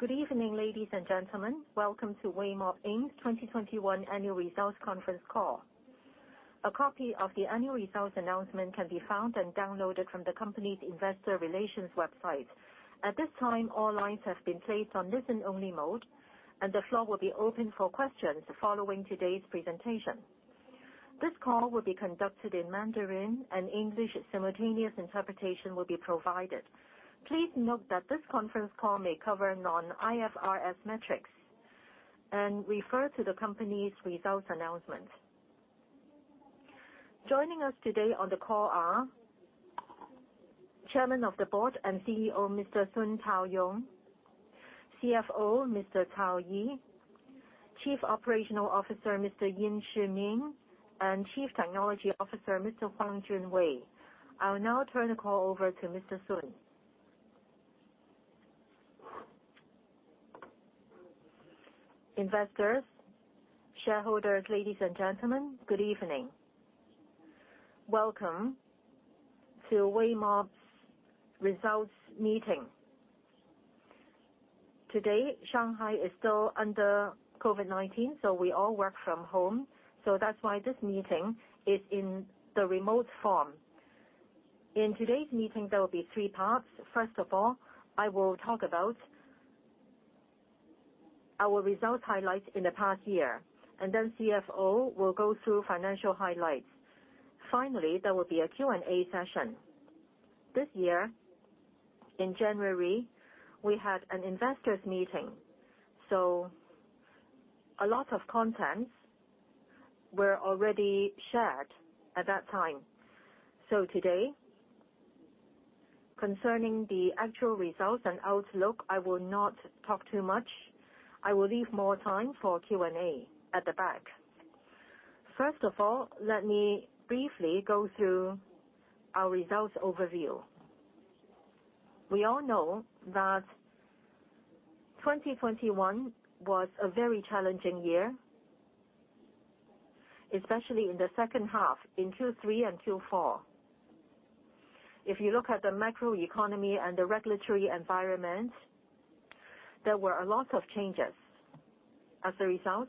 Good evening, ladies and gentlemen. Welcome to Weimob Inc's 2021 annual results conference call. A copy of the annual results announcement can be found and downloaded from the company's investor relations website. At this time, all lines have been placed on listen-only mode, and the floor will be open for questions following today's presentation. This call will be conducted in Mandarin, and English simultaneous interpretation will be provided. Please note that this conference call may cover non-IFRS metrics, and refer to the company's results announcement. Joining us today on the call are Chairman of the Board and CEO, Mr. Sun Taoyong, CFO, Mr. Cao Yi, Chief Operating Officer, Mr. Yin Ximing, and Chief Technology Officer, Mr. Huang Junwei. I will now turn the call over to Mr. Sun. Investors, shareholders, ladies and gentlemen, good evening. Welcome to Weimob's results meeting. Today, Shanghai is still under COVID-19, so we all work from home, so that's why this meeting is in the remote form. In today's meeting, there will be three parts. First of all, I will talk about our results highlights in the past year, and then CFO will go through financial highlights. Finally, there will be a Q&A session. This year, in January, we had an investor meeting, so a lot of contents were already shared at that time. Today, concerning the actual results and outlook, I will not talk too much. I will leave more time for Q&A at the back. First of all, let me briefly go through our results overview. We all know that 2021 was a very challenging year, especially in the second half, in Q3 and Q4. If you look at the macroeconomy and the regulatory environment, there were a lot of changes. As a result,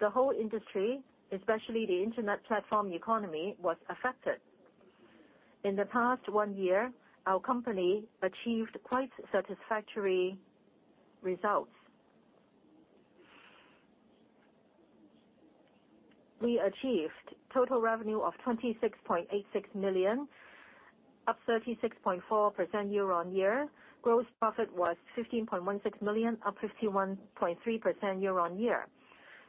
the whole industry, especially the internet platform economy, was affected. In the past one year, our company achieved quite satisfactory results. We achieved total revenue of 26.86 million, up 36.4% year-on-year. Gross profit was 15.16 million, up 51.3% year-on-year.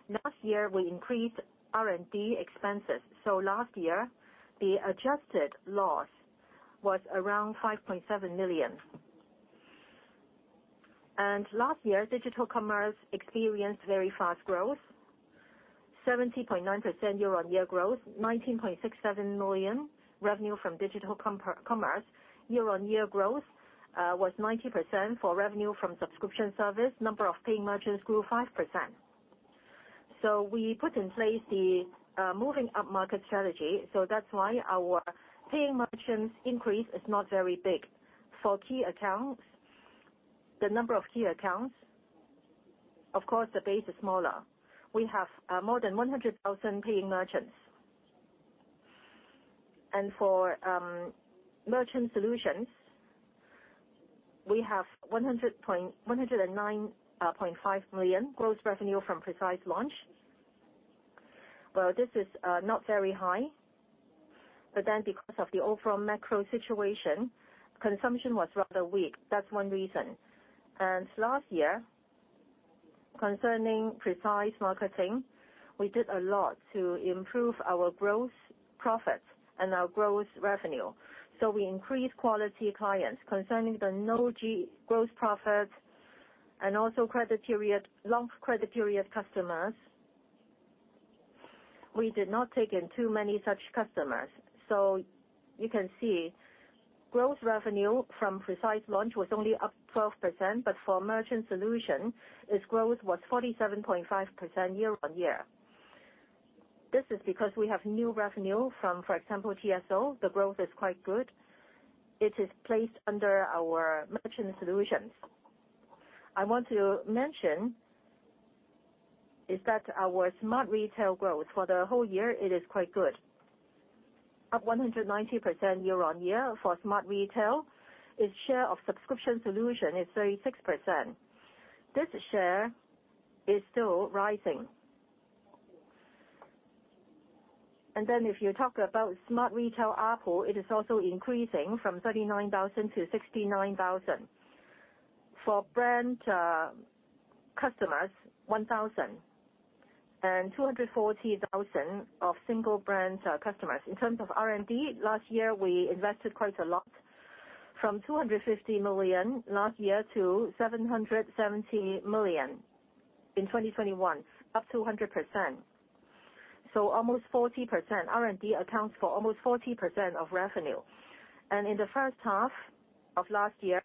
Last year, we increased R&D expenses, so last year, the adjusted loss was around 5.7 million. Last year, Digital Commerce experienced very fast growth, 70.9% year-on-year growth, 19.67 million revenue from Digital Commerce. Year-on-year growth was 90% for revenue from subscription service. Number of paying merchants grew 5%. We put in place the moving upmarket strategy, so that's why our paying merchants increase is not very big. For key accounts, the number of key accounts, of course the base is smaller. We have more than 100,000 paying merchants. For Merchant Solutions, we have 109.5 million gross revenue from precision marketing. Well, this is not very high. Because of the overall macro situation, consumption was rather weak. That's one reason. Last year, concerning precision marketing, we did a lot to improve our gross profit and our gross revenue. We increased quality clients. Concerning the low gross profit and also credit period, long credit period customers, we did not take in too many such customers. You can see, gross revenue from precision marketing was only up 12%, but for Merchant Solutions, its growth was 47.5% year-over-year. This is because we have new revenue from, for example, TSO. The growth is quite good. It is placed under our Merchant Solutions. I want to mention is that our Smart Retail growth for the whole year, it is quite good. Up 190% year-over-year for Smart Retail. Its share of Subscription Solutions is 36%. This share is still rising. If you talk about Smart Retail ARPU, it is also increasing from 39,000 to 69,000. For brand customers, 1,240,000 of single brand customers. In terms of R&D, last year we invested quite a lot from 250 million last year to 770 million in 2021, up 200%. Almost 40% R&D accounts for almost 40% of revenue. In the first half of last year,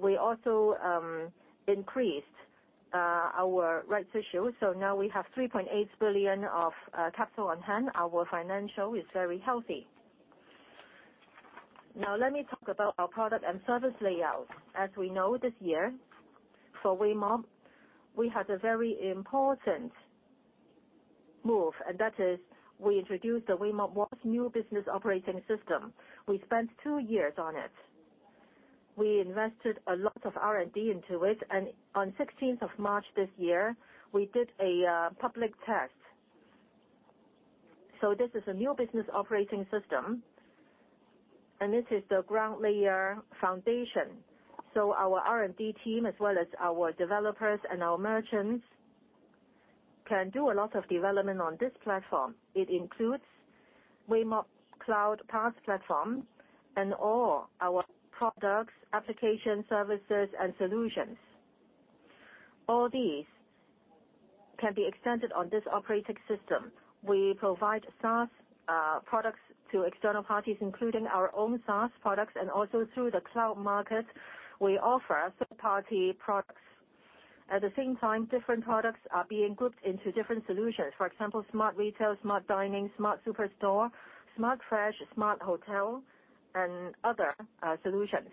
we also increased our rights issue, so now we have 3.8 billion of capital on hand. Our financial is very healthy. Now, let me talk about our product and service layout. As we know, this year, for Weimob, we had a very important move, and that is we introduced the Weimob WOS new business operating system. We spent two years on it. We invested a lot of R&D into it, and on March 16th, 2021, we did a public test. This is a new business operating system, and this is the ground layer foundation. Our R&D team, as well as our developers and our merchants, can do a lot of development on this platform. It includes Weimob Cloud PaaS platform and all our products, application services and solutions. All these can be extended on this operating system. We provide SaaS products to external parties, including our own SaaS products, and also through the cloud market, we offer third-party products. At the same time, different products are being grouped into different solutions. For example, Smart Retail, Smart Catering, Smart Supermarket, Weimob Fresh Food, Smart Hotel, and other solutions.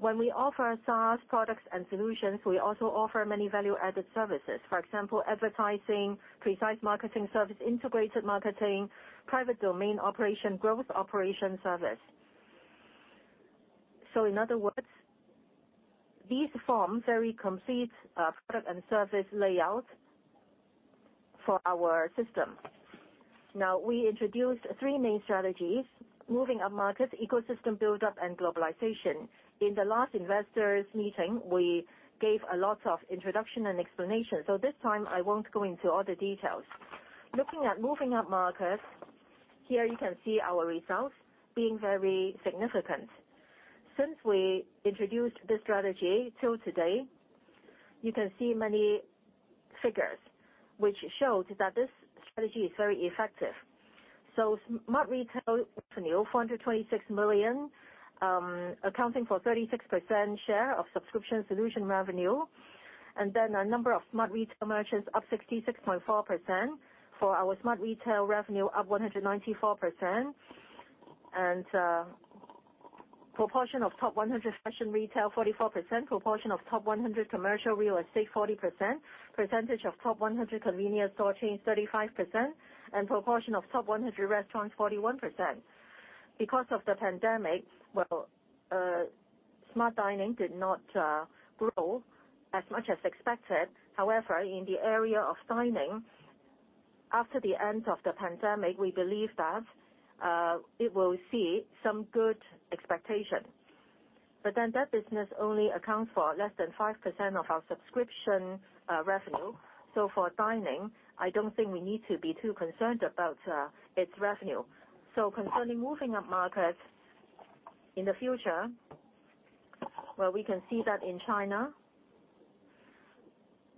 When we offer SaaS products and solutions, we also offer many value-added services. For example, advertising, targeted marketing service, integrated marketing, private domain operation, growth operation service. In other words, these form very complete product and service layout for our system. Now, we introduced three main strategies, moving upmarket, ecosystem build-up, and globalization. In the last investor meeting, we gave a lot of introduction and explanation, so this time I won't go into all the details. Looking at moving up markets, here you can see our results being very significant. Since we introduced this strategy till today, you can see many figures which showed that this strategy is very effective. Smart Retail revenue, 426 million, accounting for 36% share of Subscription Solutions revenue, and then a number of Smart Retail merchants up 66.4%. For our Smart Retail revenue, up 194%. Proportion of top 100 fashion retail, 44%. Proportion of top 100 commercial real estate, 40%. Percentage of top 100 convenience store chains, 35%. Proportion of top 100 restaurants, 41%. Because of the pandemic, Smart Catering did not grow as much as expected. However, in the area of dining, after the end of the pandemic, we believe that it will see some good expectation. That business only accounts for less than 5% of our subscription revenue. For dining, I don't think we need to be too concerned about its revenue. Concerning moving upmarkets in the future, well, we can see that in China,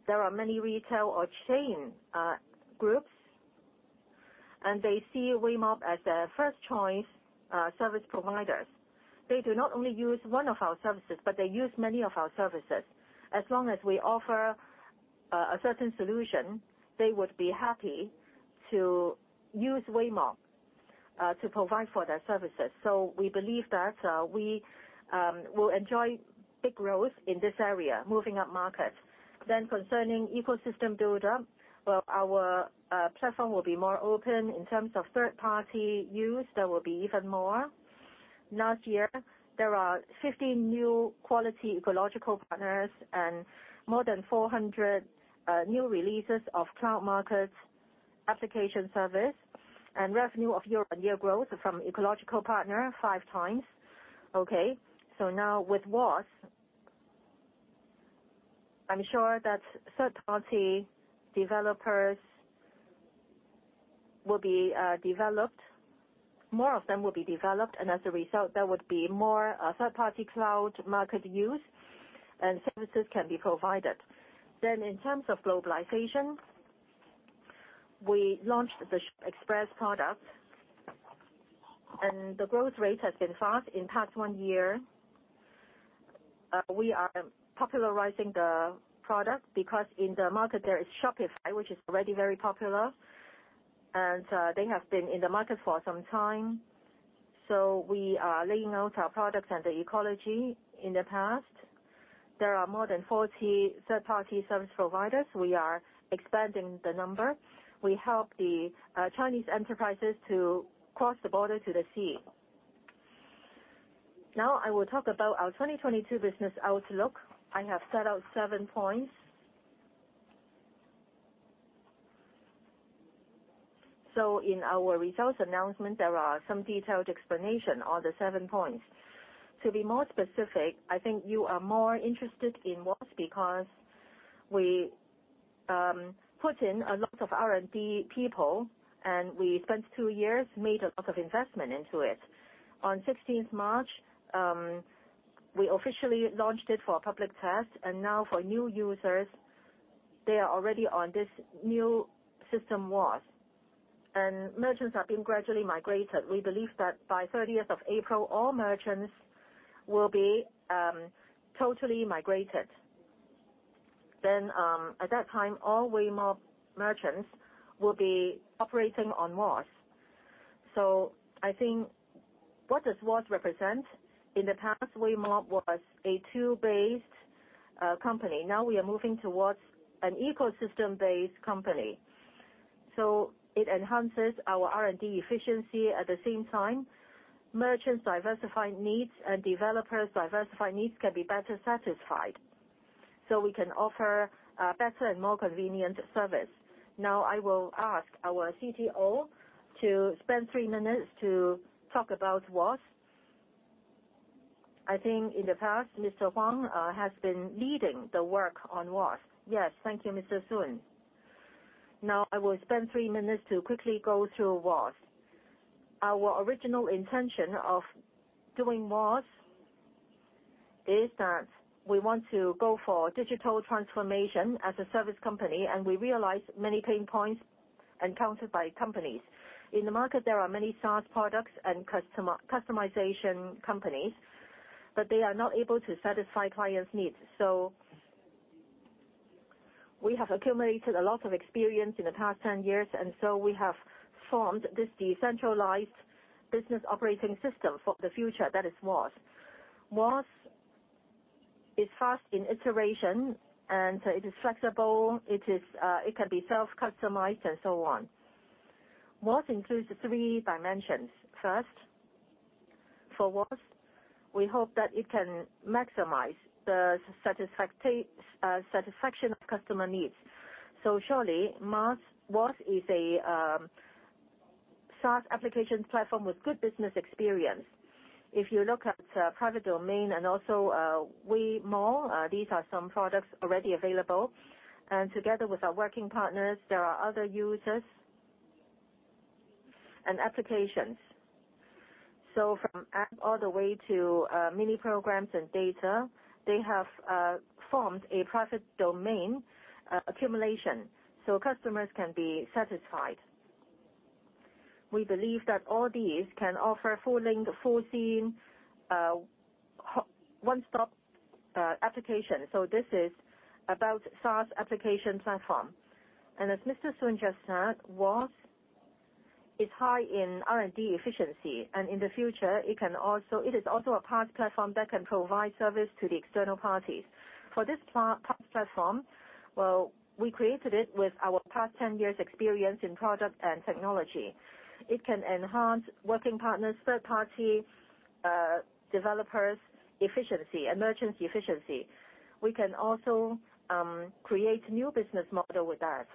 there are many retail or chain groups, and they see Weimob as their first choice service providers. They do not only use one of our services, but they use many of our services. As long as we offer a certain solution, they would be happy to use Weimob to provide for their services. We believe that we will enjoy big growth in this area, moving upmarket. Concerning ecosystem build-up, our platform will be more open in terms of third-party use. There will be even more. Last year, there are 50 new quality ecological partners and more than 400 new releases of cloud market application service and revenue year-on-year growth from ecological partner 5x. Now with WOS, I'm sure that more of them will be developed, and as a result, there would be more third-party cloud market use and services can be provided. In terms of globalization, we launched the ShopExpress product, and the growth rate has been fast in past one year. We are popularizing the product because in the market there is Shopify, which is already very popular, and they have been in the market for some time. We are laying out our products and the ecosystem in the past. There are more than 40 third-party service providers. We are expanding the number. We help the Chinese enterprises to cross the border to the sea. Now I will talk about our 2022 business outlook. I have set out seven points. In our results announcement, there are some detailed explanation on the seven points. To be more specific, I think you are more interested in WOS because we put in a lot of R&D people, and we spent two years, made a lot of investment into it. on March 16th, 2022, we officially launched it for a public test, and now for new users, they are already on this new system, WOS. Merchants are being gradually migrated. We believe that by April 30th, 2022, all merchants will be totally migrated. At that time, all Weimob merchants will be operating on WOS. I think what does WOS represent? In the past, Weimob was a tool-based company. Now we are moving towards an ecosystem-based company. It enhances our R&D efficiency. At the same time, merchants' diversified needs and developers' diversified needs can be better satisfied, so we can offer better and more convenient service. Now, I will ask our CTO to spend three minutes to talk about WOS. I think in the past, Mr. Huang has been leading the work on WOS. Yes. Thank you, Mr. Sun. Now I will spend three minutes to quickly go through WOS. Our original intention of doing WOS is that we want to go for digital transformation as a service company, and we realize many pain points encountered by companies. In the market, there are many SaaS products and customization companies, but they are not able to satisfy clients' needs. We have accumulated a lot of experience in the past 10 years, we have formed this decentralized business operating system for the future, that is WOS. WOS is fast in iteration, and it is flexible. It is, it can be self-customized and so on. WOS includes three dimensions. First, for WOS, we hope that it can maximize the satisfaction of customer needs. Surely WOS is a SaaS application platform with good business experience. If you look at private domain and also Wei Mall, these are some products already available. Together with our working partners, there are other users and applications. From app all the way to mini programs and data, they have formed a private domain accumulation, so customers can be satisfied. We believe that all these can offer full link, full scene, one-stop application. This is about SaaS application platform. As Mr. Sun just said, WOS is high in R&D efficiency. It is also a PaaS platform that can provide service to the external parties. For this PaaS platform, well, we created it with our past ten years' experience in product and technology. It can enhance working partners, third-party developers' efficiency and merchants' efficiency. We can also create new business model with that.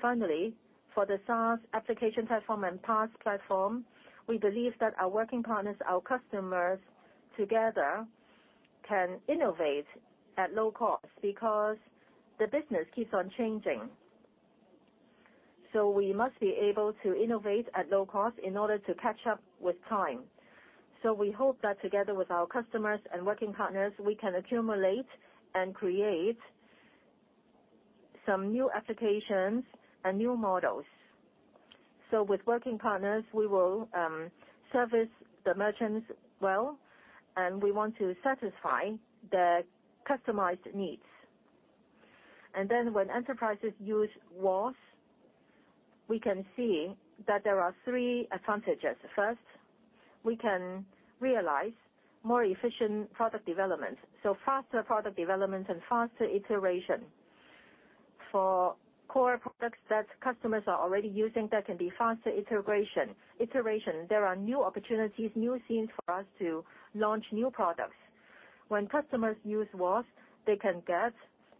Finally, for the SaaS application platform and PaaS platform, we believe that our working partners, our customers together can innovate at low cost because the business keeps on changing. We must be able to innovate at low cost in order to catch up with time. We hope that together with our customers and working partners, we can accumulate and create some new applications and new models. With working partners, we will service the merchants well, and we want to satisfy their customized needs. When enterprises use WOS, we can see that there are three advantages. First, we can realize more efficient product development, so faster product development and faster iteration. For core products that customers are already using, there can be faster iteration. There are new opportunities, new scenes for us to launch new products. When customers use WOS, they can get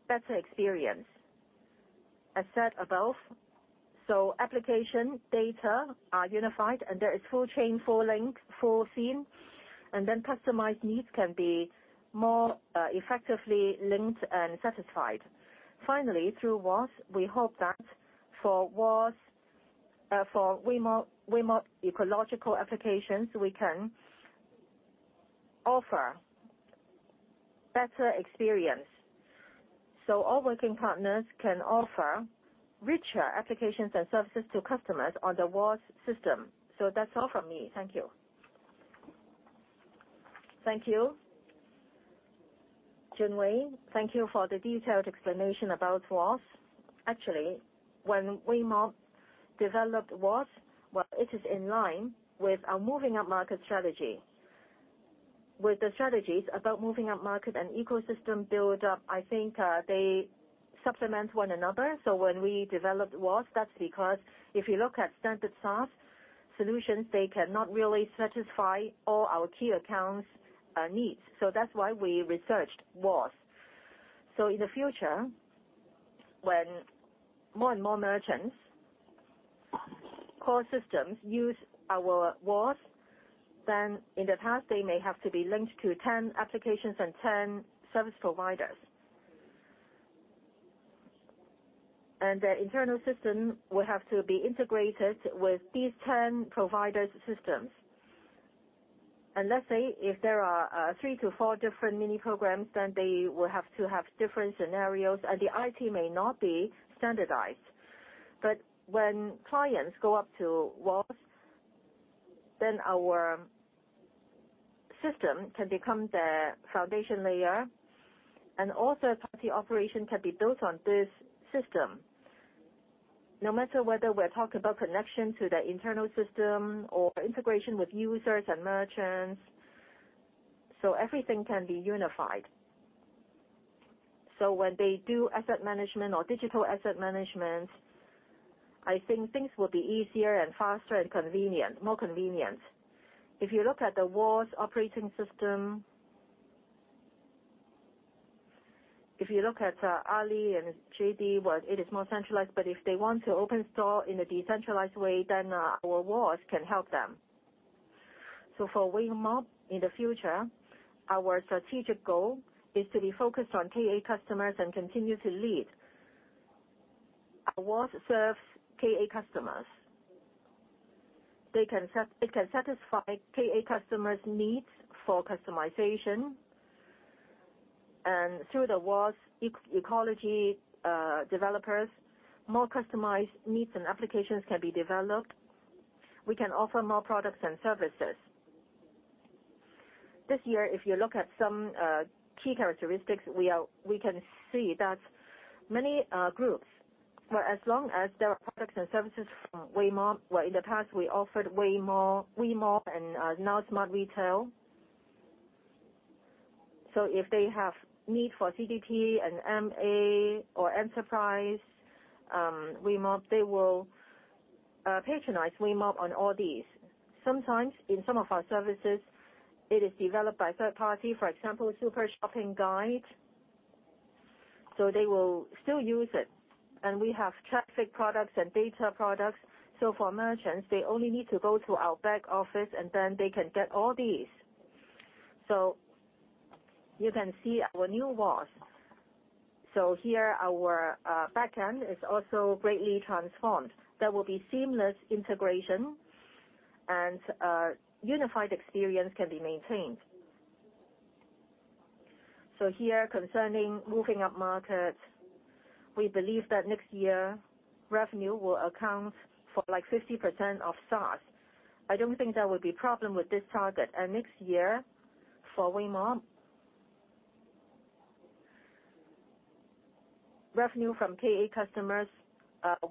better experience. I said above, so application data are unified and there is full chain, full link, full scene, and then customized needs can be more effectively linked and satisfied. Finally, through WOS, we hope that for WOS, for Weimob ecological applications, we can offer better experience. All working partners can offer richer applications and services to customers on the WOS system. That's all from me. Thank you. Thank you, Junwei. Thank you for the detailed explanation about WOS. Actually, when Weimob developed WOS, it is in line with our moving up market strategy. With the strategies about moving up market and ecosystem build up, I think they supplement one another. When we developed WOS, that's because if you look at standard SaaS solutions, they cannot really satisfy all our key accounts' needs. That's why we researched WOS. In the future, when more and more merchants' core systems use our WOS, then in the past, they may have to be linked to 10 applications and 10 service providers. Their internal system will have to be integrated with these 10 providers' systems. Let's say if there are three to four different mini programs, then they will have to have different scenarios, and the IT may not be standardized. When clients go up to WOS, our system can become the foundation layer. Also, third-party operation can be built on this system. No matter whether we're talking about connection to the internal system or integration with users and merchants, everything can be unified. When they do asset management or digital asset management, I think things will be easier and faster and convenient, more convenient. If you look at Alibaba and JD.com, well, it is more centralized, but if they want to open store in a decentralized way, our WOS can help them. For Weimob in the future, our strategic goal is to be focused on KA customers and continue to lead. Our WOS serves KA customers. It can satisfy KA customers' needs for customization. Through the WOS ecology, developers, more customized needs and applications can be developed. We can offer more products and services. This year, if you look at some key characteristics, we can see that many groups, where as long as there are products and services from Weimob, where in the past we offered Weimob and now Smart Retail. If they have need for CDP and MA or enterprise Weimob, they will patronize Weimob on all these. Sometimes, in some of our services, it is developed by third-party, for example, Super Shopping Guide. They will still use it. We have traffic products and data products. For merchants, they only need to go to our back office, and then they can get all these. You can see our new WOS. Here, our back end is also greatly transformed. There will be seamless integration and unified experience can be maintained. Here, concerning moving up market, we believe that next year revenue will account for, like, 50% of SaaS. I don't think there will be problem with this target. Next year, for Weimob, revenue from KA customers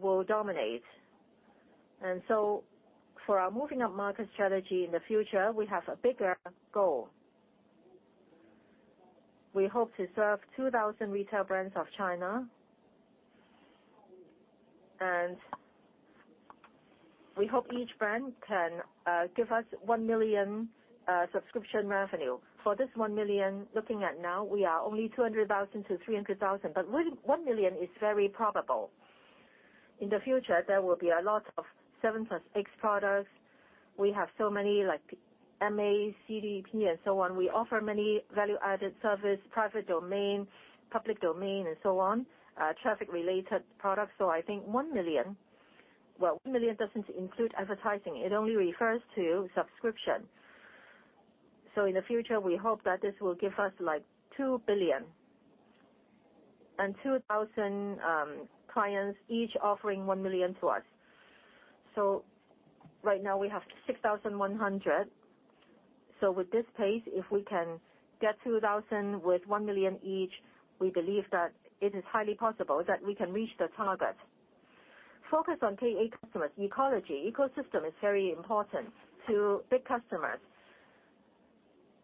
will dominate. For our moving up market strategy in the future, we have a bigger goal. We hope to serve 2,000 retail brands of China. We hope each brand can give us 1 million subscription revenue. For this 1 million, looking at now, we are only 200,000-300,000, one million is very probable. In the future, there will be a lot of 7+X products. We have so many, like MA, CDP and so on. We offer many value-added service, private domain, public domain and so on, traffic-related products. I think one million. Well, one million doesn't include advertising. It only refers to subscription. In the future, we hope that this will give us, like, 2 billion and 2,000 clients each offering one million to us. Right now, we have 6,100. With this pace, if we can get 2,000 with 1 million each, we believe that it is highly possible that we can reach the target. Focus on KA customers. Ecology, ecosystem is very important to big customers.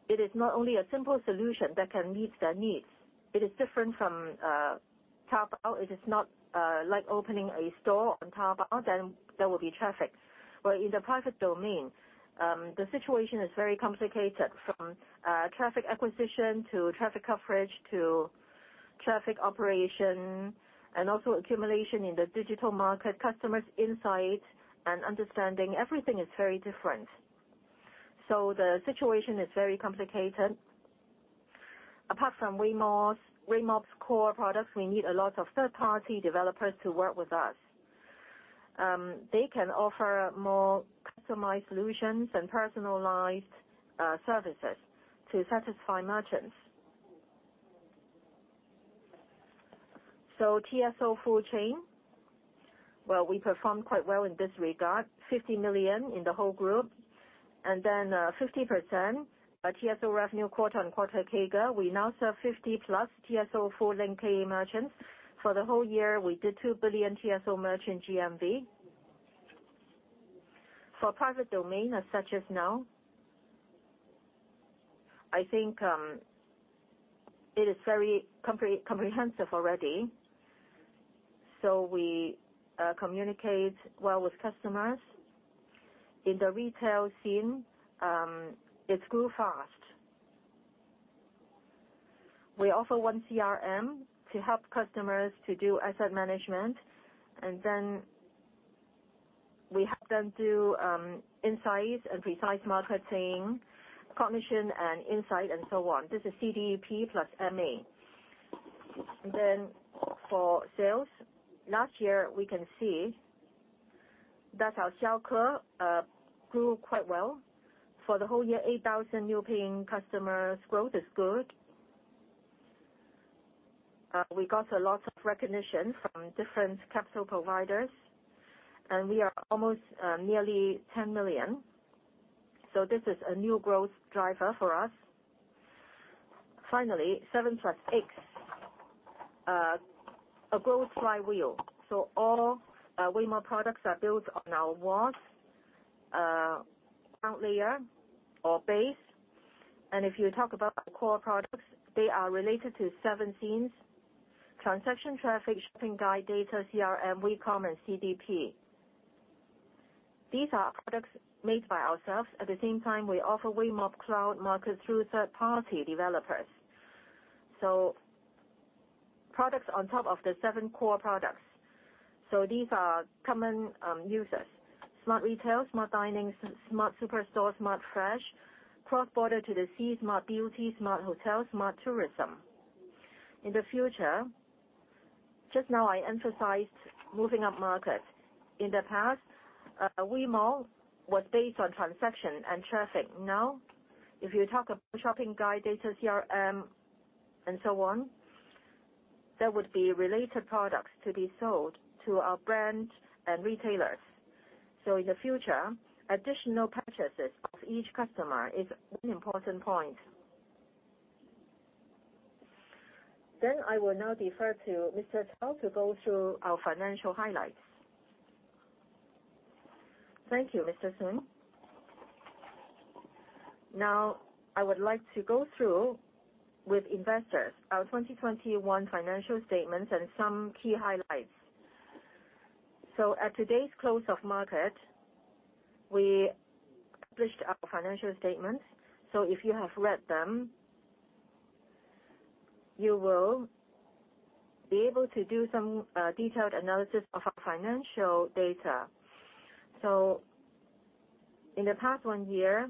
It is not only a simple solution that can meet their needs. It is different from Taobao. It is not like opening a store on Taobao, then there will be traffic. In the private domain, the situation is very complicated, from traffic acquisition to traffic coverage to traffic operation and also accumulation in the digital marketing, customers' insight and understanding. Everything is very different. The situation is very complicated. Apart from Weimob's core products, we need a lot of third-party developers to work with us. They can offer more customized solutions and personalized services to satisfy merchants. TSO full chain. Well, we performed quite well in this regard, 50 million in the whole group, and then 50% TSO revenue quarter-on-quarter CAGR. We now serve 50+ TSO full-length KA merchants. For the whole year, we did 2 billion TSO merchant GMV. For private domain, as of now, I think it is very comprehensive already. We communicate well with customers. In the retail scene, it grew fast. We offer one CRM to help customers to do asset management, and then we help them do insights and precise marketing, cognition and insight and so on. This is CDP plus MA. For sales, last year, we can see that our Xiaoke grew quite well. For the whole year, 8,000 new paying customers growth is good. We got a lot of recognition from different capital providers, and we are almost nearly 10 million. This is a new growth driver for us. Finally, 7+X, a growth flywheel. All Weimob products are built on our SaaS cloud layer or base. If you talk about our core products, they are related to seven scenes, transaction, traffic, shopping guide, data, CRM, WeCom and CDP. These are products made by ourselves. At the same time, we offer Weimob Cloud Market through third-party developers. Products on top of the seven core products. These are common uses. Smart Retail, Smart Catering, Smart Supermarket, Weimob Fresh Food, ShopExpress, Smart Beauty, Smart Hotel, Weimob Tourism. In the future, just now I emphasized moving upmarket. In the past, Wei Mall was based on transaction and traffic. Now, if you talk about shopping guide, data, CRM, and so on, there would be related products to be sold to our brand and retailers. In the future, additional purchases of each customer is an important point. I will now defer to Mr. Cao to go through our financial highlights. Thank you, Mr. Sun. Now, I would like to go through with investors our 2021 financial statements and some key highlights. At today's close of market, we published our financial statements. If you have read them, you will be able to do some detailed analysis of our financial data. In the past one year,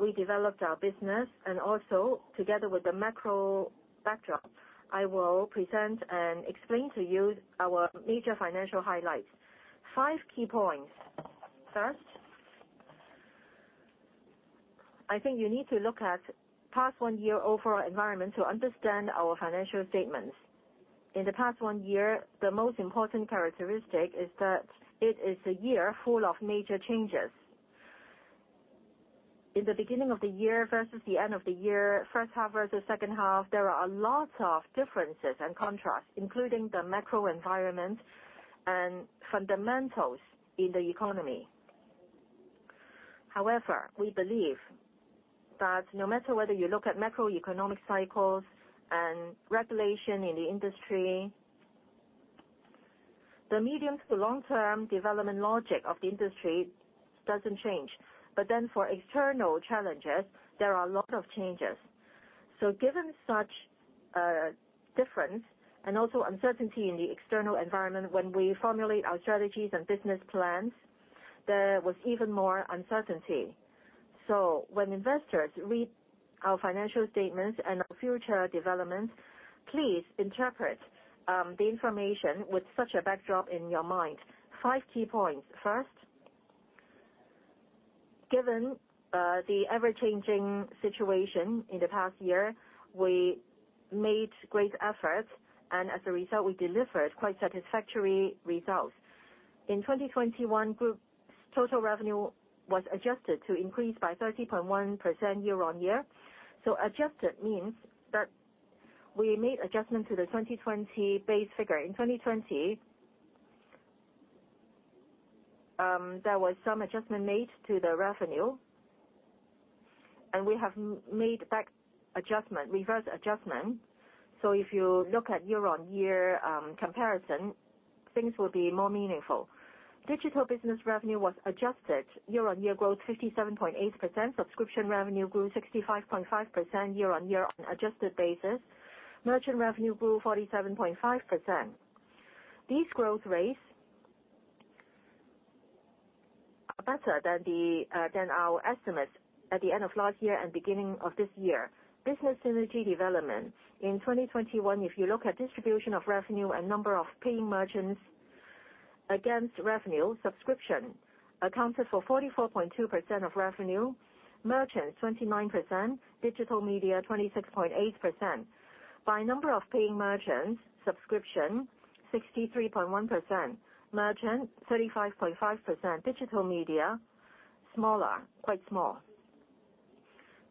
we developed our business and also together with the macro backdrop, I will present and explain to you our major financial highlights. Five key points. First, I think you need to look at past one year overall environment to understand our financial statements. In the past one year, the most important characteristic is that it is a year full of major changes. In the beginning of the year versus the end of the year, first half versus second half, there are a lot of differences and contrasts, including the macro environment and fundamentals in the economy. However, we believe that no matter whether you look at macroeconomic cycles and regulation in the industry, the medium- to long-term development logic of the industry doesn't change. For external challenges, there are a lot of changes. Given such, difference and also uncertainty in the external environment when we formulate our strategies and business plans, there was even more uncertainty. When investors read our financial statements and our future developments, please interpret the information with such a backdrop in your mind. Five key points. First, given the ever-changing situation in the past year, we made great efforts, and as a result, we delivered quite satisfactory results. In 2021, group's total revenue was adjusted to increase by 30.1% year-on-year. Adjusted means that we made adjustment to the 2020 base figure. In 2020, there was some adjustment made to the revenue, and we have made back adjustment, reverse adjustment. If you look at year-on-year comparison, things will be more meaningful. Digital business revenue was adjusted year-on-year growth 57.8%. Subscription revenue grew 65.5% year-on-year on an adjusted basis. Merchant revenue grew 47.5%. These growth rates are better than our estimates at the end of last year and beginning of this year. Business synergy development. In 2021, if you look at distribution of revenue and number of paying merchants against revenue, Subscription accounted for 44.2% of revenue, Merchants 29%, Digital Media 26.8%. By number of paying merchants, Subscription 63.1%, Merchant 35.5%, Digital Media, smaller, quite small.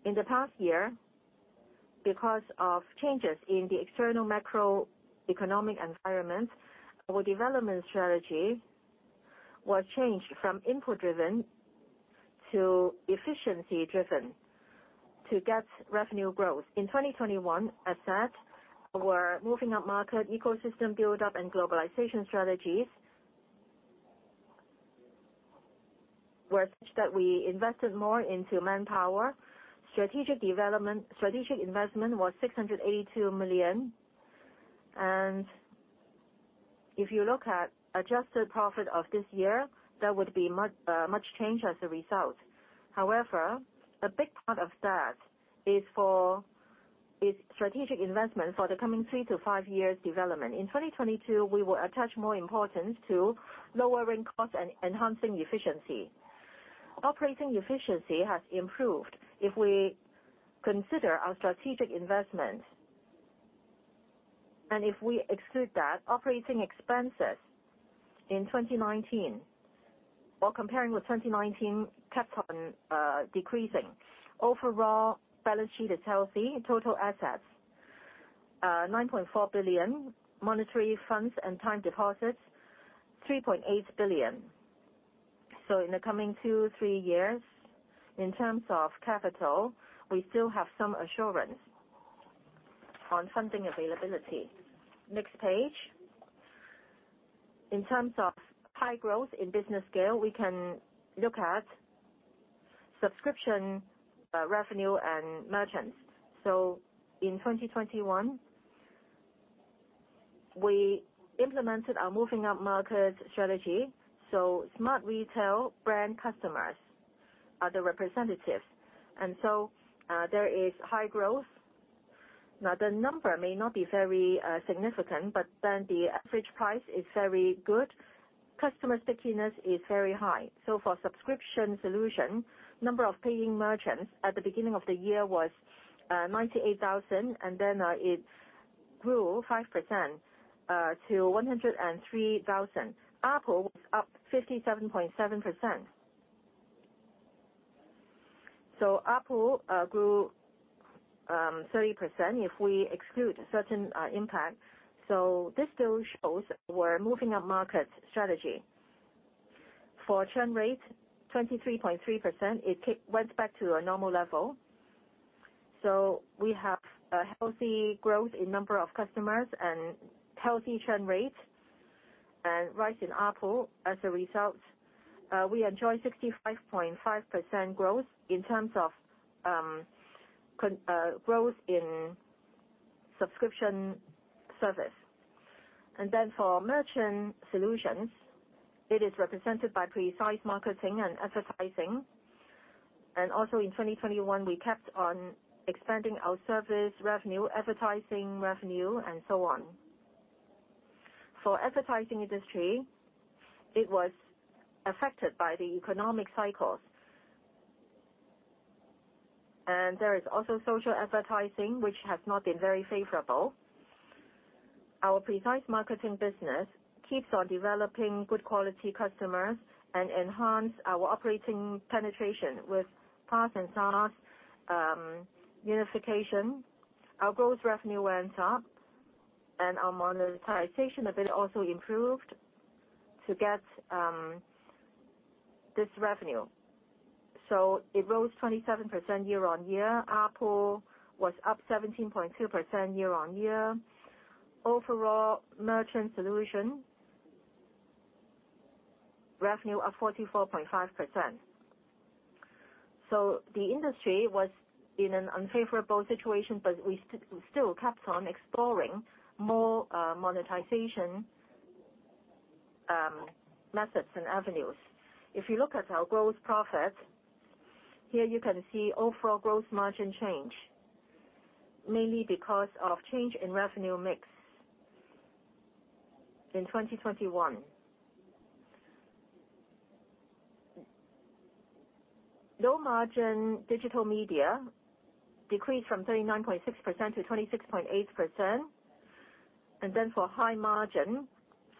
In the past year, because of changes in the external macroeconomic environment, our development strategy was changed from input-driven to efficiency-driven to get revenue growth. In 2021, as said, our moving upmarket ecosystem build-up and globalization strategies were such that we invested more into manpower. Strategic investment was CNY 682 million. If you look at adjusted profit of this year, there would be much change as a result. However, a big part of that is for its strategic investment for the coming 3-5 years development. In 2022, we will attach more importance to lowering costs and enhancing efficiency. Operating efficiency has improved if we consider our strategic investment. If we exclude that, operating expenses in 2019, while comparing with 2019, kept on decreasing. Overall, balance sheet is healthy. Total assets, 9.4 billion. Monetary funds and time deposits, 3.8 billion. In the coming 2-3 years, in terms of capital, we still have some assurance on funding availability. Next page. In terms of high growth in business scale, we can look at subscription revenue and merchants. In 2021, we implemented our moving up market strategy, so Smart Retail brand customers are the representative. There is high growth. Now, the number may not be very significant, but then the average price is very good. Customer stickiness is very high. For Subscription Solutions, number of paying merchants at the beginning of the year was 98,000, and then it grew 5% to 103,000. ARPU was up 57.7%. ARPU grew 30% if we exclude certain impact. This still shows we're moving up market strategy. For churn rate, 23.3%, it went back to a normal level. We have a healthy growth in number of customers and healthy churn rate and rise in ARPU. As a result, we enjoy 65.5% growth in terms of growth in subscription service. For Merchant Solutions, it is represented by targeted marketing and advertising. In 2021, we kept on expanding our service revenue, advertising revenue, and so on. For advertising industry, it was affected by the economic cycles. There is also social advertising, which has not been very favorable. Our targeted marketing business keeps on developing good quality customers and enhance our operating penetration with PaaS and SaaS unification. Our gross revenue went up, and our monetization a bit also improved to get this revenue. It rose 27% year-over-year. ARPU was up 17.2% year-over-year. Overall, Merchant Solutions revenue up 44.5%. The industry was in an unfavorable situation, but we still kept on exploring more monetization methods and avenues. If you look at our gross profit, here you can see overall gross margin change, mainly because of change in revenue mix in 2021. Low margin Digital Media decreased from 39.6% to 26.8%. For high margin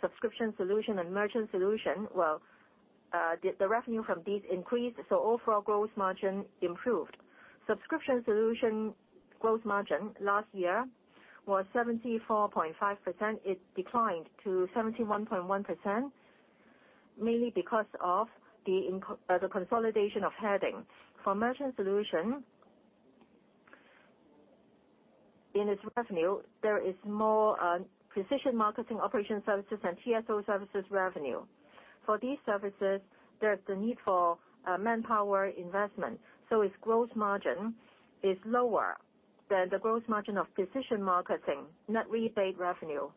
Subscription Solutions and Merchant Solutions, the revenue from these increased, so overall gross margin improved. Subscription Solutions gross margin last year was 74.5%. It declined to 71.1%, mainly because of the consolidation of Heading. For Merchant Solutions, in its revenue, there is more precision marketing operation services and TSO services revenue. For these services, there's the need for manpower investment, so its gross margin is lower than the gross margin of precision marketing, net rebate revenue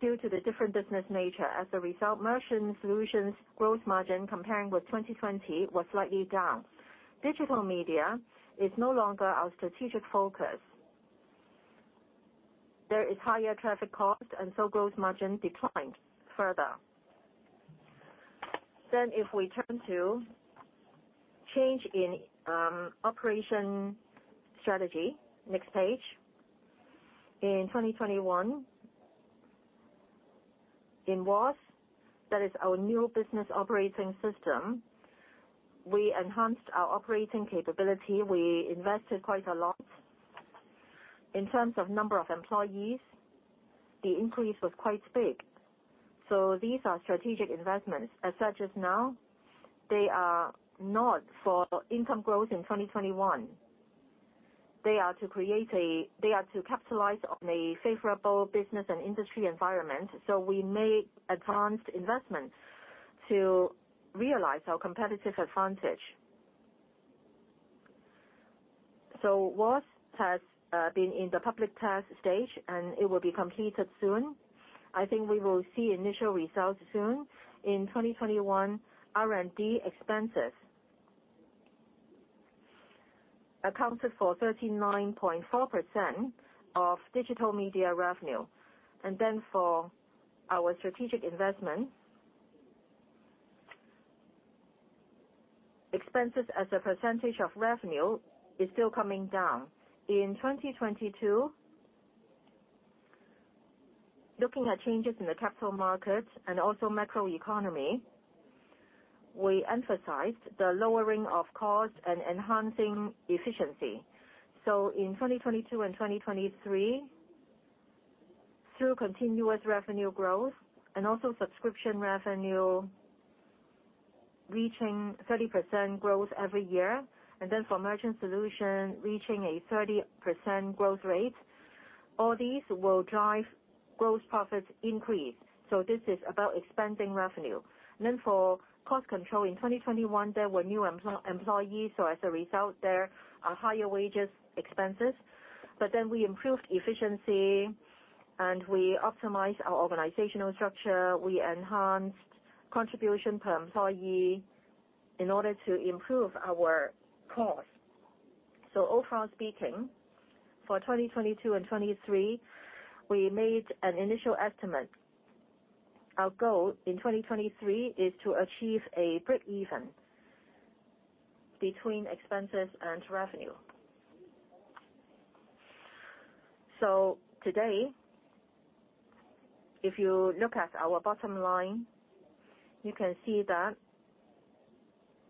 due to the different business nature. As a result, Merchant Solutions gross margin comparing with 2020 was slightly down. Digital Media is no longer our strategic focus. There is higher traffic cost, and so gross margin declined further. If we turn to change in operation strategy, next page. In 2021, in WOS, that is our new business operating system, we enhanced our operating capability. We invested quite a lot. In terms of number of employees, the increase was quite big. So these are strategic investments. As such, now, they are not for income growth in 2021. They are to capitalize on a favorable business and industry environment. We made advanced investments to realize our competitive advantage. WOS has been in the public test stage, and it will be completed soon. I think we will see initial results soon. In 2021, R&D expenses accounted for 39.4% of Digital Media revenue. For our strategic investment, expenses as a percentage of revenue is still coming down. In 2022, looking at changes in the capital market and also macroeconomy, we emphasized the lowering of cost and enhancing efficiency. In 2022 and 2023, through continuous revenue growth and also subscription revenue reaching 30% growth every year, and then for Merchant Solutions reaching a 30% growth rate, all these will drive gross profits increase. This is about expanding revenue. For cost control, in 2021 there were new employees, so as a result, there are higher wages expenses. We improved efficiency and we optimized our organizational structure. We enhanced contribution per employee in order to improve our cost. Overall speaking, for 2022 and 2023, we made an initial estimate. Our goal in 2023 is to achieve a break even between expenses and revenue. Today, if you look at our bottom line, you can see that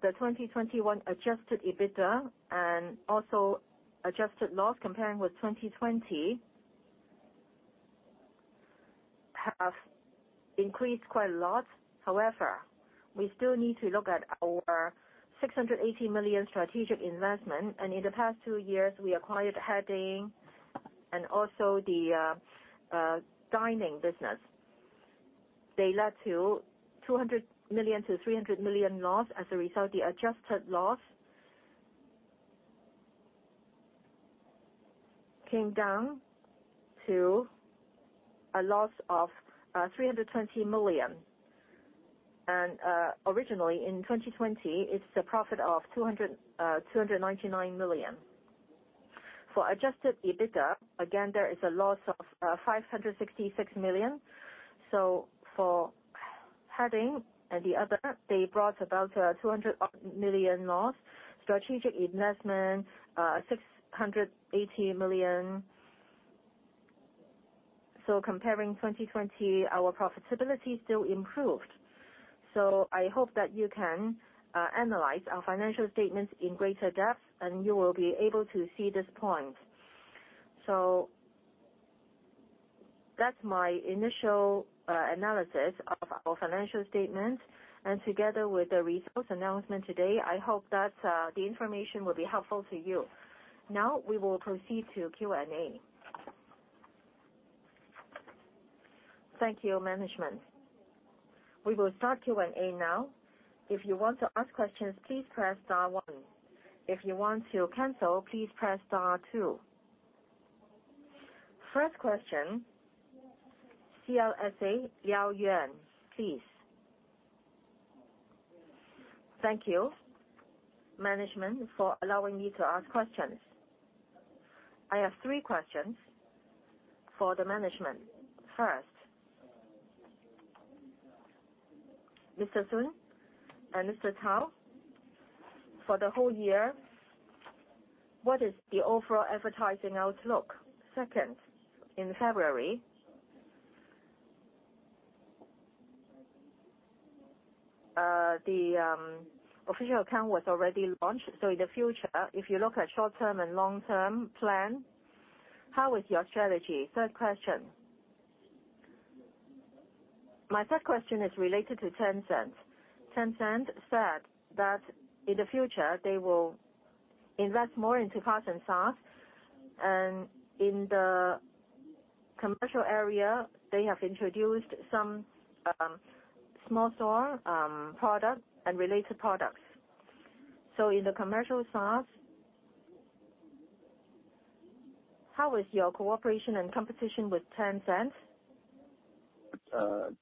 the 2021 adjusted EBITDA and also adjusted loss comparing with 2020, have increased quite a lot. However, we still need to look at our 680 million strategic investment. In the past two years we acquired Heading and also the dining business. They led to 200 million-300 million loss. As a result, the adjusted loss came down to a loss of 300 million. Originally in 2020, it's a profit of 299 million. For adjusted EBITDA, again, there is a loss of 566 million. For Heading and the other, they brought about 200 million loss. Strategic investment CNY 680 million. Comparing 2020, our profitability still improved. I hope that you can analyze our financial statements in greater depth, and you will be able to see this point. That's my initial analysis of our financial statement. Together with the results announcement today, I hope that the information will be helpful to you. Now we will proceed to Q&A. Thank you, management. We will start Q&A now.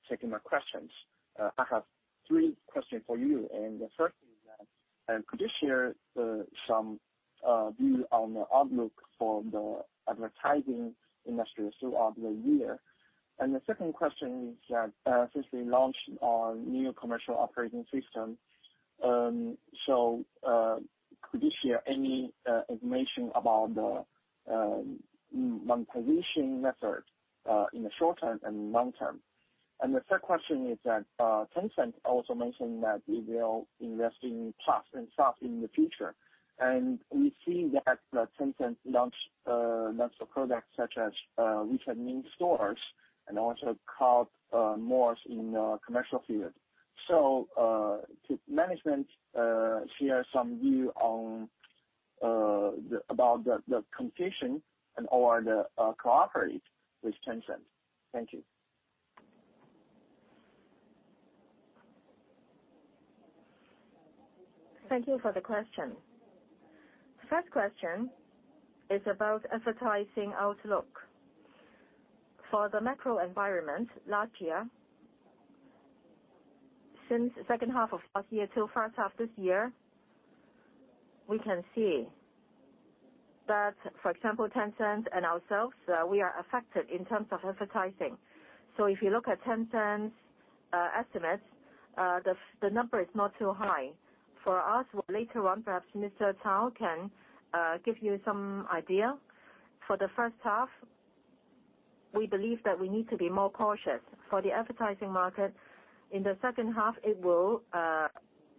Taking my questions. I have three questions for you. The first is that could you share some view on the outlook for the advertising industry throughout the year? The second question is that since we launched our new commercial operating system, could you share any information about the monetization method in the short term and long term? Tencent also mentioned that they will invest in PaaS and SaaS in the future. We see that Tencent launched lots of products such as WeChat Mini Shops and also cloud more in the commercial field. Could management share some view on the competition and or the cooperation with Tencent? Thank you. Thank you for the question. First question is about advertising outlook. For the macro environment last year, since second half of last year till first half this year, we can see that, for example, Tencent and ourselves, we are affected in terms of advertising. So if you look at Tencent's estimates, the number is not too high. For us, later on, perhaps Mr. Cao can give you some idea. For the first half, we believe that we need to be more cautious. For the advertising market, in the second half, it will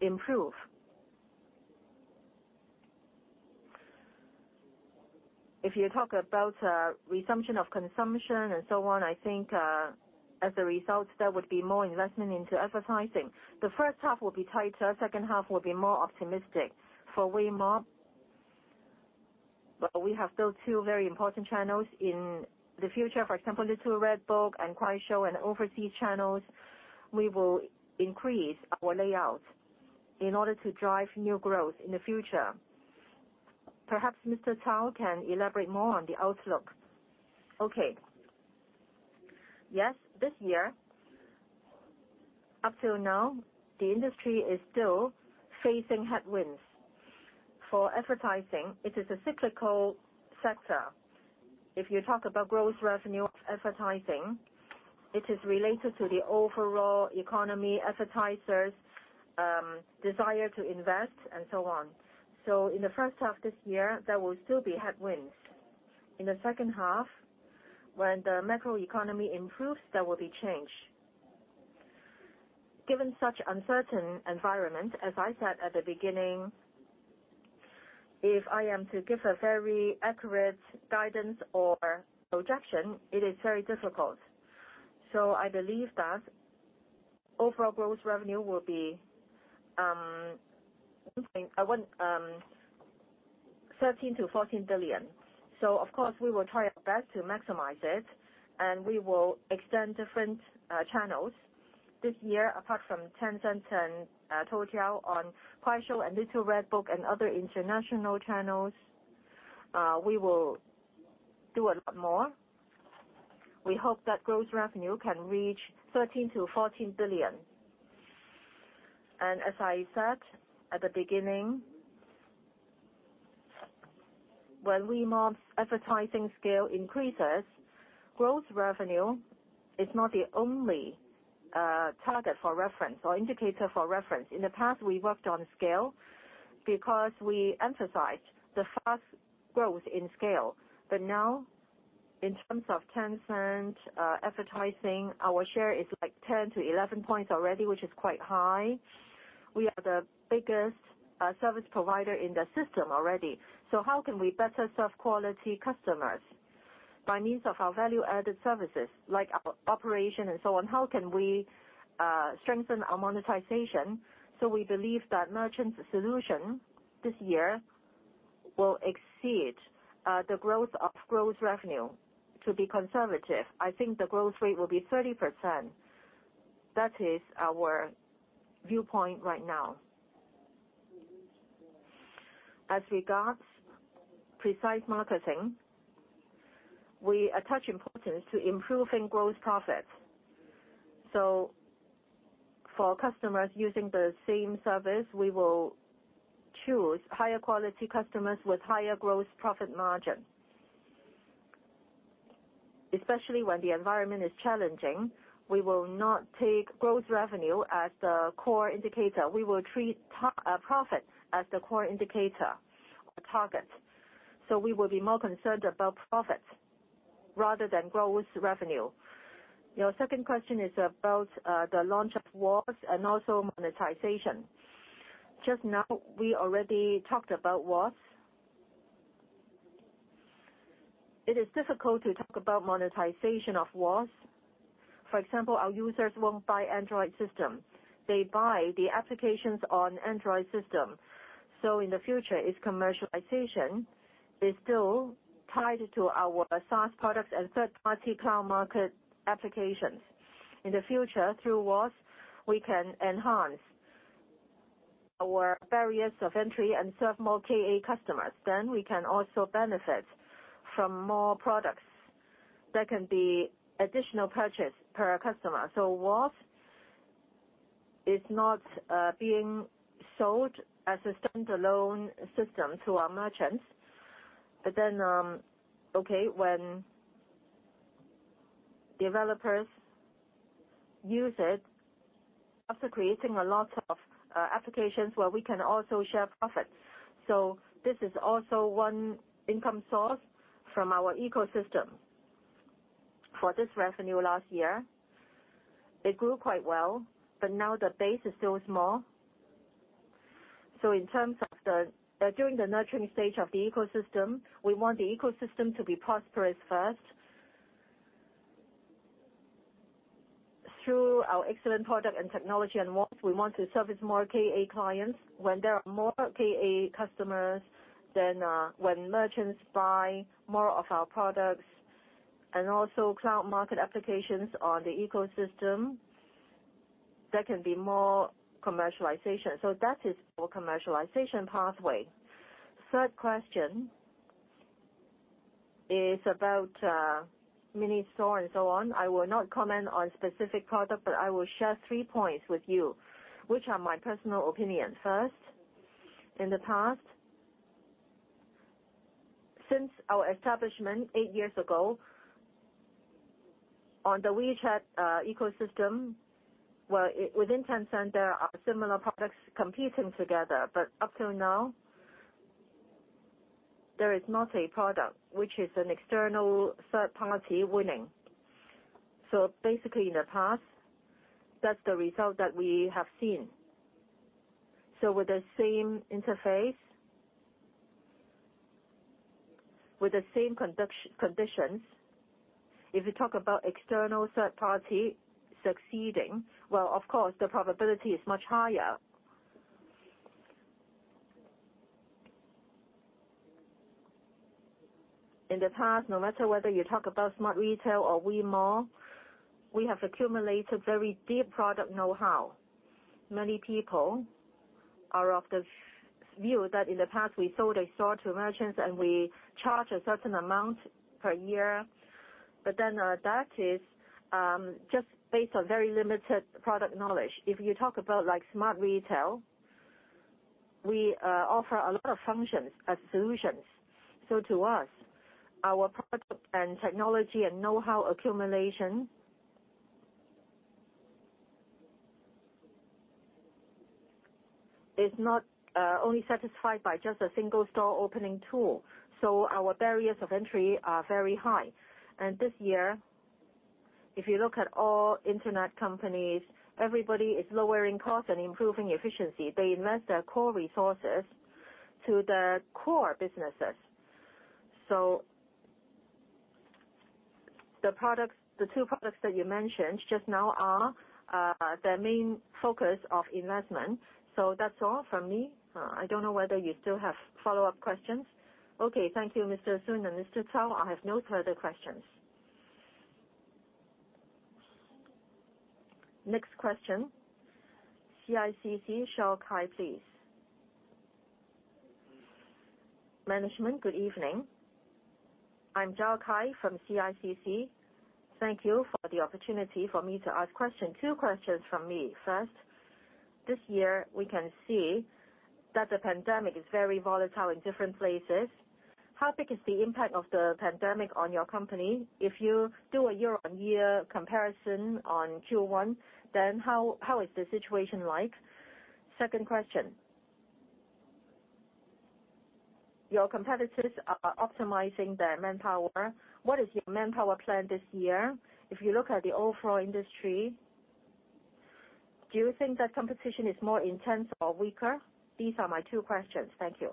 improve. If you talk about resumption of consumption and so on, I think, as a result, there would be more investment into advertising. The first half will be tighter, second half will be more optimistic. For Weimob, well, we have those two very important channels. In the future, for example, Little Red Book and Kuaishou and overseas channels, we will increase our layout in order to drive new growth in the future. Perhaps Mr. Cao can elaborate more on the outlook. Okay. Yes, this year, up till now, the industry is still facing headwinds. For advertising, it is a cyclical sector. If you talk about growth revenue of advertising, it is related to the overall economy, advertisers' desire to invest, and so on. In the first half this year, there will still be headwinds. In the second half, when the macro economy improves, there will be change. Given such uncertain environment, as I said at the beginning, if I am to give a very accurate guidance or projection, it is very difficult. I believe that overall growth revenue will be 13 billion-14 billion. Of course, we will try our best to maximize it, and we will extend different channels. This year, apart from Tencent and Toutiao, on Kuaishou and Little Red Book and other international channels, we will do a lot more. We hope that growth revenue can reach 13 billion-14 billion. As I said at the beginning, when Weimob's advertising scale increases, growth revenue is not the only target for reference or indicator for reference. In the past, we worked on scale because we emphasized the fast growth in scale. Now, in terms of Tencent advertising, our share is like 10-11 percentage points already, which is quite high. We are the biggest service provider in the system already. How can we better serve quality customers? By means of our value-added services, like our operation and so on, how can we strengthen our monetization? We believe that Merchant Solutions this year will exceed the growth of gross revenue. To be conservative, I think the growth rate will be 30%. That is our viewpoint right now. As regards targeted marketing, we attach importance to improving gross profits. For customers using the same service, we will choose higher quality customers with higher gross profit margin. Especially when the environment is challenging, we will not take gross revenue as the core indicator. We will treat profit as the core indicator or target. We will be more concerned about profits rather than gross revenue. Your second question is about the launch of WOS and also monetization. Just now, we already talked about WOS. It is difficult to talk about monetization of WOS. For example, our users won't buy Android system. They buy the applications on Android system. In the future, its commercialization is still tied to our SaaS products and third-party cloud market applications. In the future, through WOS, we can enhance our barriers of entry and serve more KA customers. We can also benefit from more products that can be additional purchase per customer. WOS is not being sold as a standalone system to our merchants. When developers use it, after creating a lot of applications where we can also share profits. This is also one income source from our ecosystem. For this revenue last year, it grew quite well, but now the base is still small. In terms of the... During the nurturing stage of the ecosystem, we want the ecosystem to be prosperous first. Through our excellent product and technology and SaaS, we want to service more KA clients. When there are more KA customers, then, when merchants buy more of our products and also cloud market applications on the ecosystem. There can be more commercialization. That is more commercialization pathway. Third question is about, mini store and so on. I will not comment on specific product, but I will share three points with you, which are my personal opinion. First, in the past, since our establishment eight years on the WeChat ecosystem, well, within Tencent there are similar products competing together. Up till now, there is not a product which is an external third party winning. Basically in the past, that's the result that we have seen. With the same interface, with the same conducive conditions, if you talk about external third party succeeding, well, of course, the probability is much higher. In the past, no matter whether you talk about Smart Retail or Wei Mall, we have accumulated very deep product know-how. Many people are of the view that in the past we sold a store to merchants, and we charge a certain amount per year. But then, that is just based on very limited product knowledge. If you talk about, like, Smart Retail, we offer a lot of functions as solutions. To us, our product and technology and know-how accumulation is not only satisfied by just a single store opening tool. Our barriers of entry are very high. This year, if you look at all internet companies, everybody is lowering cost and improving efficiency. They invest their core resources to the core businesses. The products, the two products that you mentioned just now are, the main focus of investment. That's all from me. I don't know whether you still have follow-up questions. Okay. Thank you, Mr. Sun and Mr. Cao. I have no further questions. Next question, CICC, Xiao Kai, please. Management, good evening. I'm Xiao Kai from CICC. Thank you for the opportunity for me to ask question. Two questions from me. First, this year, we can see that the pandemic is very volatile in different places. How big is the impact of the pandemic on your company? If you do a year-on-year comparison on Q1, then how is the situation like? Second question, your competitors are optimizing their manpower. What is your manpower plan this year? If you look at the overall industry, do you think that competition is more intense or weaker? These are my two questions. Thank you.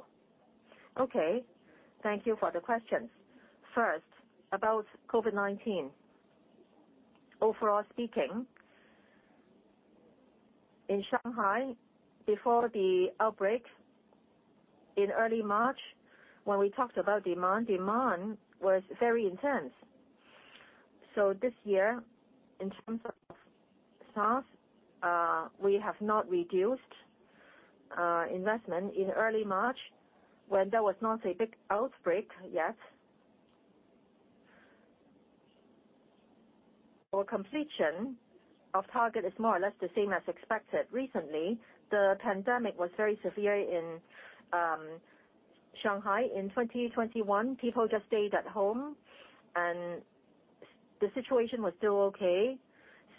Okay, thank you for the questions. First, about COVID-19. Overall speaking, in Shanghai before the outbreak in early March, when we talked about demand was very intense. This year, in terms of staff, we have not reduced investment. In early March when there was not a big outbreak yet, our completion of target is more or less the same as expected. Recently, the pandemic was very severe in Shanghai. In 2021, people just stayed at home, and the situation was still okay.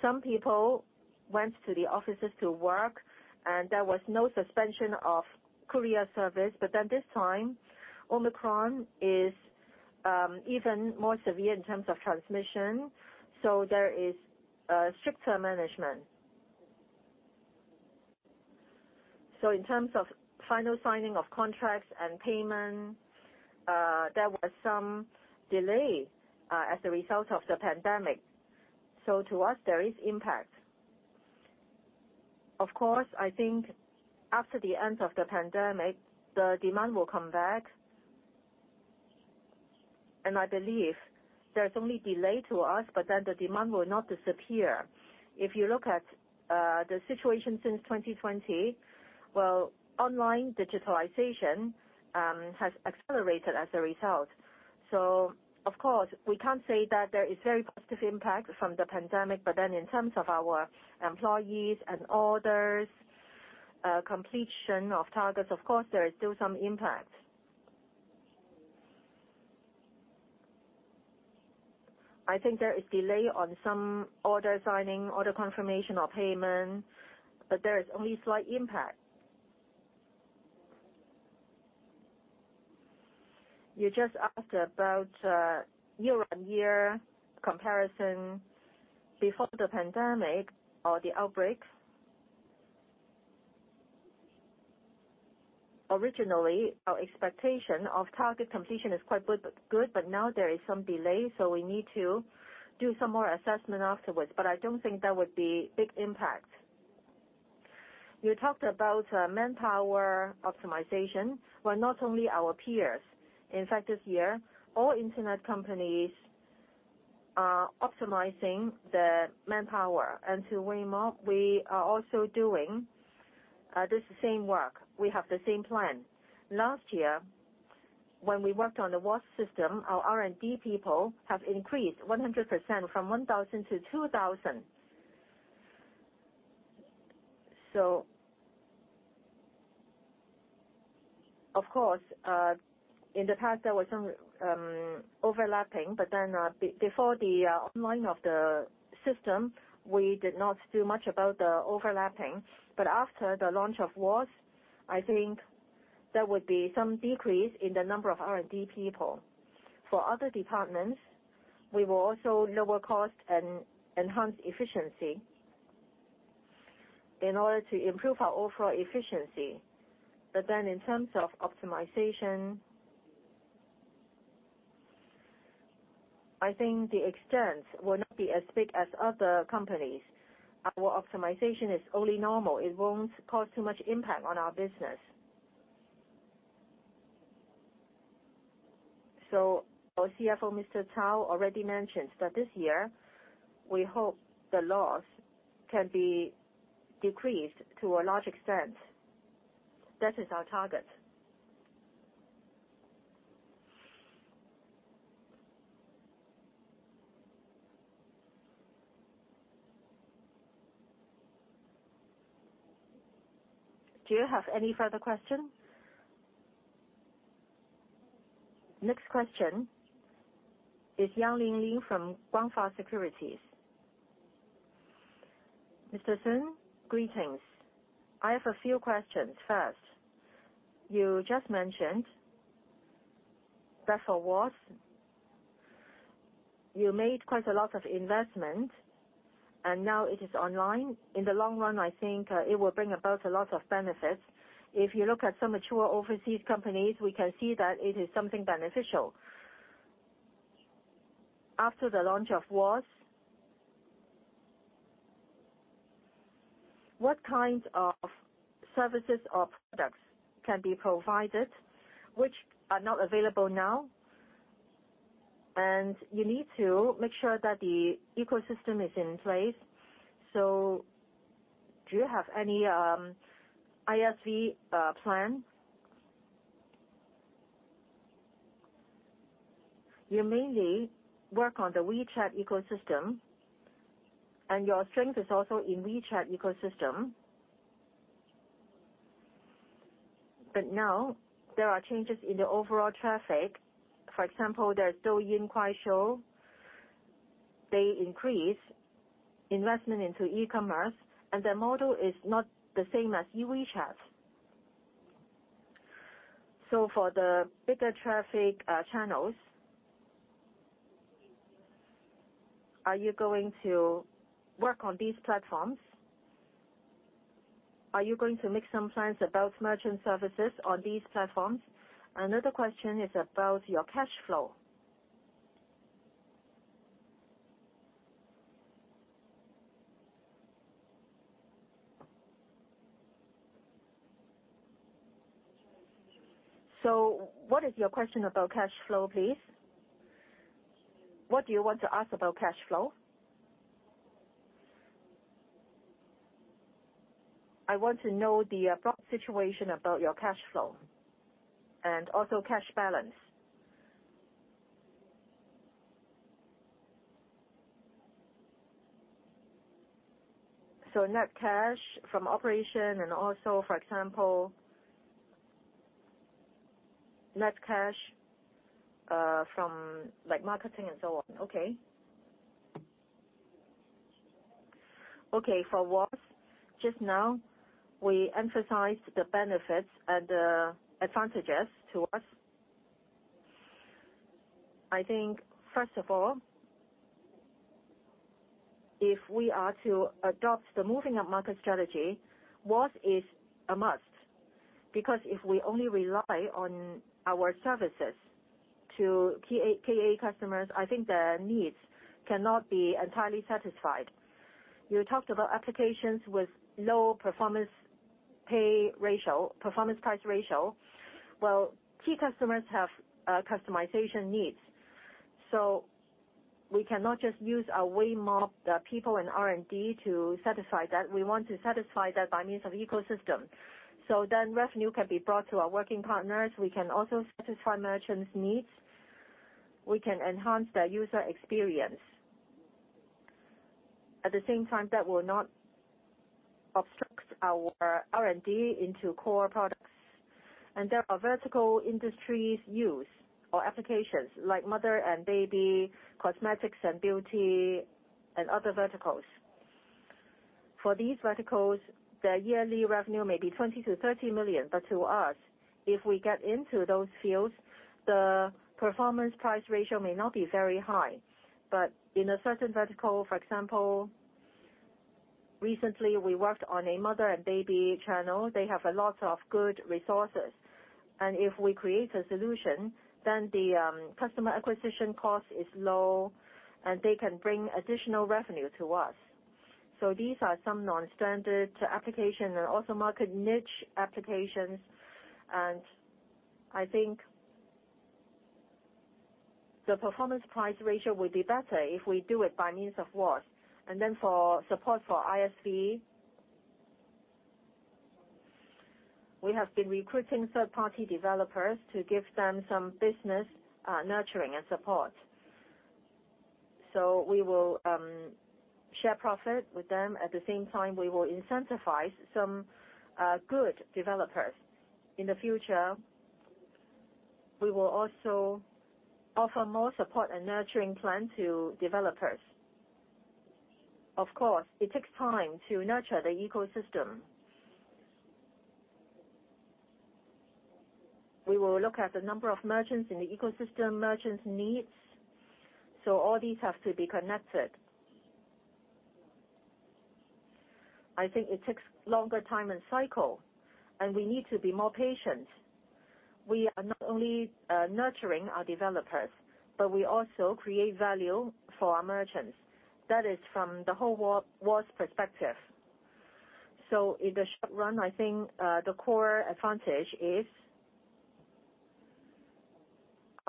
Some people went to the offices to work, and there was no suspension of courier service. But at this time, Omicron is even more severe in terms of transmission, so there is stricter management. In terms of final signing of contracts and payment, there was some delay as a result of the pandemic. To us, there is impact. Of course, I think after the end of the pandemic, the demand will come back. I believe there's only delay to us, but then the demand will not disappear. If you look at the situation since 2020, online digitalization has accelerated as a result. Of course, we can't say that there is very positive impact from the pandemic. In terms of our employees and orders, completion of targets, there is still some impact. I think there is delay on some order signing, order confirmation or payment, but there is only slight impact. You just asked about year-on-year comparison before the pandemic or the outbreak. Originally, our expectation of target completion is quite good, but now there is some delay, so we need to do some more assessment afterwards. I don't think that would be big impact. You talked about manpower optimization. Well, not only our peers, in fact, this year, all internet companies are optimizing the manpower. To Weimob, we are also doing the same work. We have the same plan. Last year, when we worked on the WOS system, our R&D people have increased 100% from 1,000 to 2,000. Of course, in the past, there was some overlapping, but then before the launch of the system, we did not do much about the overlapping. After the launch of WOS, I think there would be some decrease in the number of R&D people. For other departments, we will also lower cost and enhance efficiency in order to improve our overall efficiency. In terms of optimization, I think the extent will not be as big as other companies. Our optimization is only normal. It won't cause too much impact on our business. So our CFO, Mr. Cao, already mentioned that this year, we hope the loss can be decreased to a large extent. That is our target. Do you have any further questions? Next question is Leung Shek Ling from Guangfa Securities. Mr. Sun, greetings. I have a few questions. First, you just mentioned that for WOS, you made quite a lot of investment and now it is online. In the long run, I think it will bring about a lot of benefits. If you look at some mature overseas companies, we can see that it is something beneficial. After the launch of WOS, what kinds of services or products can be provided which are not available now? You need to make sure that the ecosystem is in place. Do you have any ISV plan? You mainly work on the WeChat ecosystem, and your strength is also in WeChat ecosystem. Now there are changes in the overall traffic. For example, there's Douyin, Kuaishou. They increase investment into e-commerce, and their model is not the same as your WeChat. For the bigger traffic channels, are you going to work on these platforms? Are you going to make some plans about merchant services on these platforms? Another question is about your cash flow. What is your question about cash flow, please? What do you want to ask about cash flow?I want to know the approximate situation about your cash flow and also cash balance. Net cash from operation and also, for example, net cash from, like, marketing and so on. Okay. Okay. For WOS, just now, we emphasized the benefits and the advantages to us. I think, first of all, if we are to adopt the moving of market strategy, WOS is a must because if we only rely on our services to KA customers, I think their needs cannot be entirely satisfied. You talked about applications with low performance pay ratio, performance price ratio. Well, key customers have customization needs. We cannot just use our Weimob, the people in R&D to satisfy that. We want to satisfy that by means of ecosystem. Revenue can be brought to our working partners. We can also satisfy merchants' needs. We can enhance their user experience. At the same time, that will not obstruct our R&D into core products. There are vertical industries uses or applications like mother and baby, cosmetics and beauty, and other verticals. For these verticals, their yearly revenue may be 20 million-30 million. To us, if we get into those fields, the performance price ratio may not be very high. In a certain vertical, for example, recently we worked on a mother and baby channel. They have a lot of good resources. If we create a solution, then the customer acquisition cost is low, and they can bring additional revenue to us. These are some non-standard applications and also market niche applications. I think the performance price ratio will be better if we do it by means of WOS. Then for support for ISV. We have been recruiting third-party developers to give them some business, nurturing and support. We will share profit with them. At the same time, we will incentivize some good developers. In the future, we will also offer more support and nurturing plan to developers. Of course, it takes time to nurture the ecosystem. We will look at the number of merchants in the ecosystem, merchants' needs, so all these have to be connected. I think it takes longer time and cycle, and we need to be more patient. We are not only nurturing our developers, but we also create value for our merchants. That is from the whole WOS perspective. In the short run, I think the core advantage is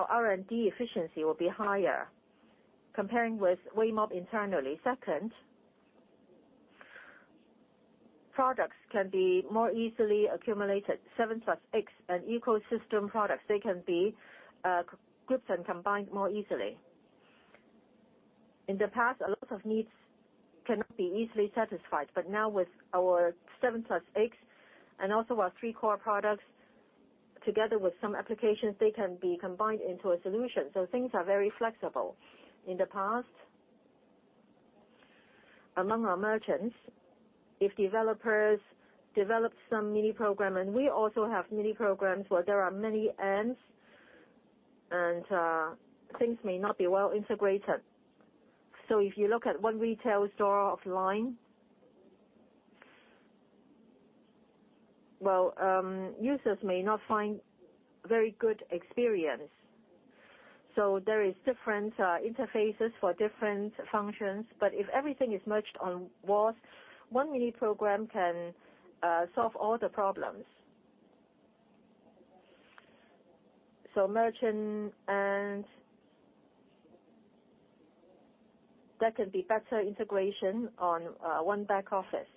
our R&D efficiency will be higher comparing with Weimob internally. Second, products can be more easily accumulated. 7+X and ecosystem products, they can be grouped and combined more easily. In the past, a lot of needs cannot be easily satisfied, but now with our 7+X and also our 3 core products, together with some applications, they can be combined into a solution. Things are very flexible. In the past, among our merchants, if developers developed some mini program, and we also have mini programs where there are many ends, and things may not be well integrated. If you look at one retail store offline, well, users may not find very good experience. There are different interfaces for different functions, but if everything is merged on WOS, one mini program can solve all the problems. Merchant and there can be better integration on one back office.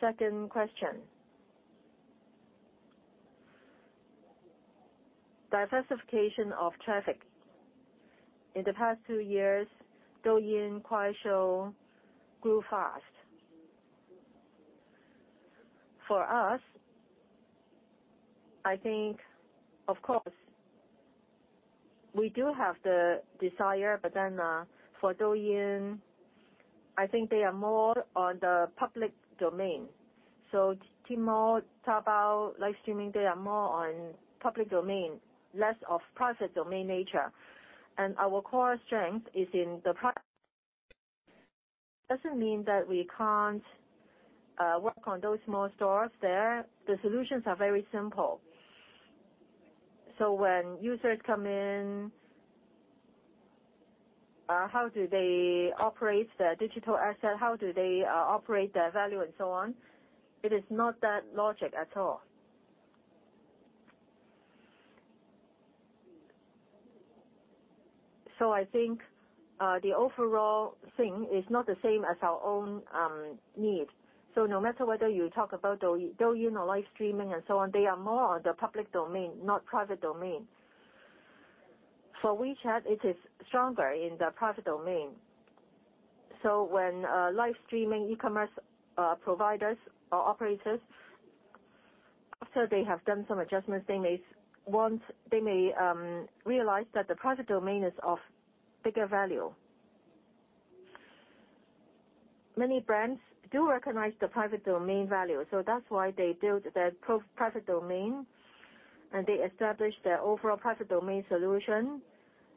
Second question. Diversification of traffic. In the past two years, Douyin, Kuaishou grew fast. For us, I think, of course, we do have the desire, but then, for Douyin, I think they are more on the public domain. Tmall, Taobao, live streaming, they are more on public domain, less of private domain nature. Our core strength is in the private domain. It doesn't mean that we can't work on those small stores there. The solutions are very simple. When users come in, how do they operate their digital asset? How do they operate their value and so on? It is not that logic at all. I think the overall thing is not the same as our own need. No matter whether you talk about Douyin or live streaming and so on, they are more on the public domain, not private domain. For WeChat, it is stronger in the private domain. When live streaming e-commerce providers or operators, after they have done some adjustments, they may realize that the private domain is of bigger value. Many brands do recognize the private domain value, so that's why they build their private domain, and they establish their overall private domain solution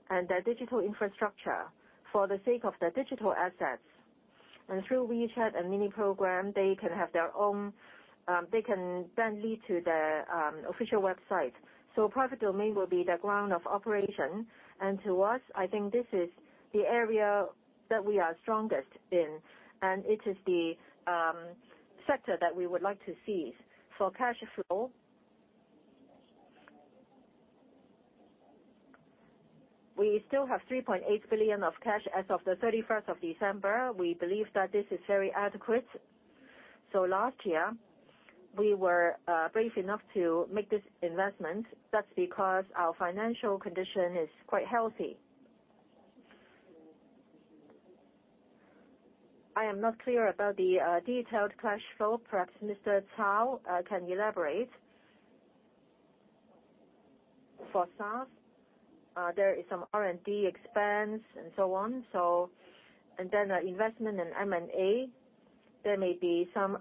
and their digital infrastructure for the sake of their digital assets. Through WeChat and mini programs, they can have their own, they can then lead to the official website. Private domain will be the ground of operation, and to us, I think this is the area that we are strongest in, and it is the sector that we would like to seize. For cash flow. We still have 3.8 billion of cash as of the December 31st. We believe that this is very adequate. Last year, we were brave enough to make this investment. That's because our financial condition is quite healthy. I am not clear about the detailed cash flow. Perhaps Mr. Cao can elaborate. For SaaS, there is some R&D expense and so on. Then, investment in M&A, there may be some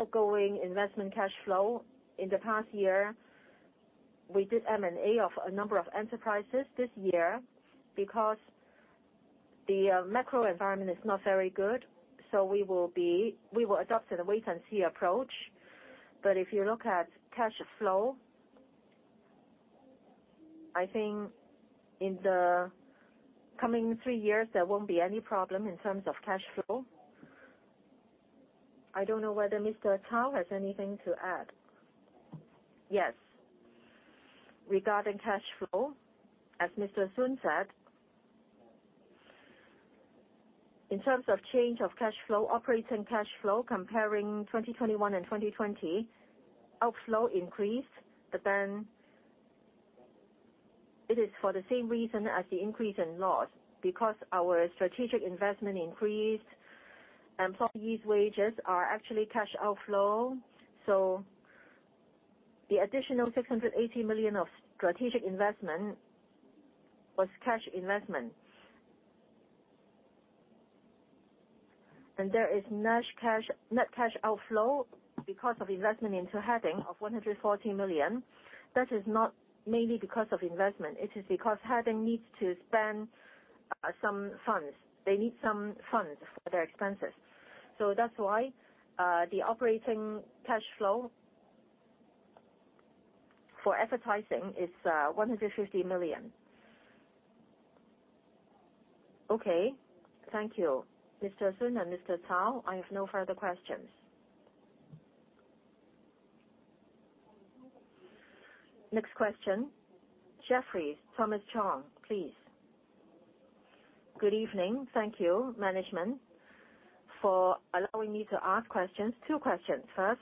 outgoing investment cash flow. In the past year, we did M&A of a number of enterprises this year because the macro environment is not very good, so we will adopt a wait-and-see approach. If you look at cash flow, I think in the coming three years, there won't be any problem in terms of cash flow. I don't know whether Mr. Cao has anything to add. Yes. Regarding cash flow, as Mr. Sun said, in terms of change of cash flow, operating cash flow comparing 2021 and 2020, outflow increased, but then it is for the same reason as the increase in loss because our strategic investment increased, and employees' wages are actually cash outflow. The additional 680 million of strategic investment was cash investment. There is net cash outflow because of investment into Heading of 140 million. That is not mainly because of investment. It is because Heading needs to spend some funds. They need some funds for their expenses. That's why the operating cash flow for advertising is CNY 150 million. Okay. Thank you. Mr. Sun and Mr. Cao, I have no further questions. Next question, Jefferies, Thomas Chong, please. Good evening. Thank you, management, for allowing me to ask questions. Two questions. First,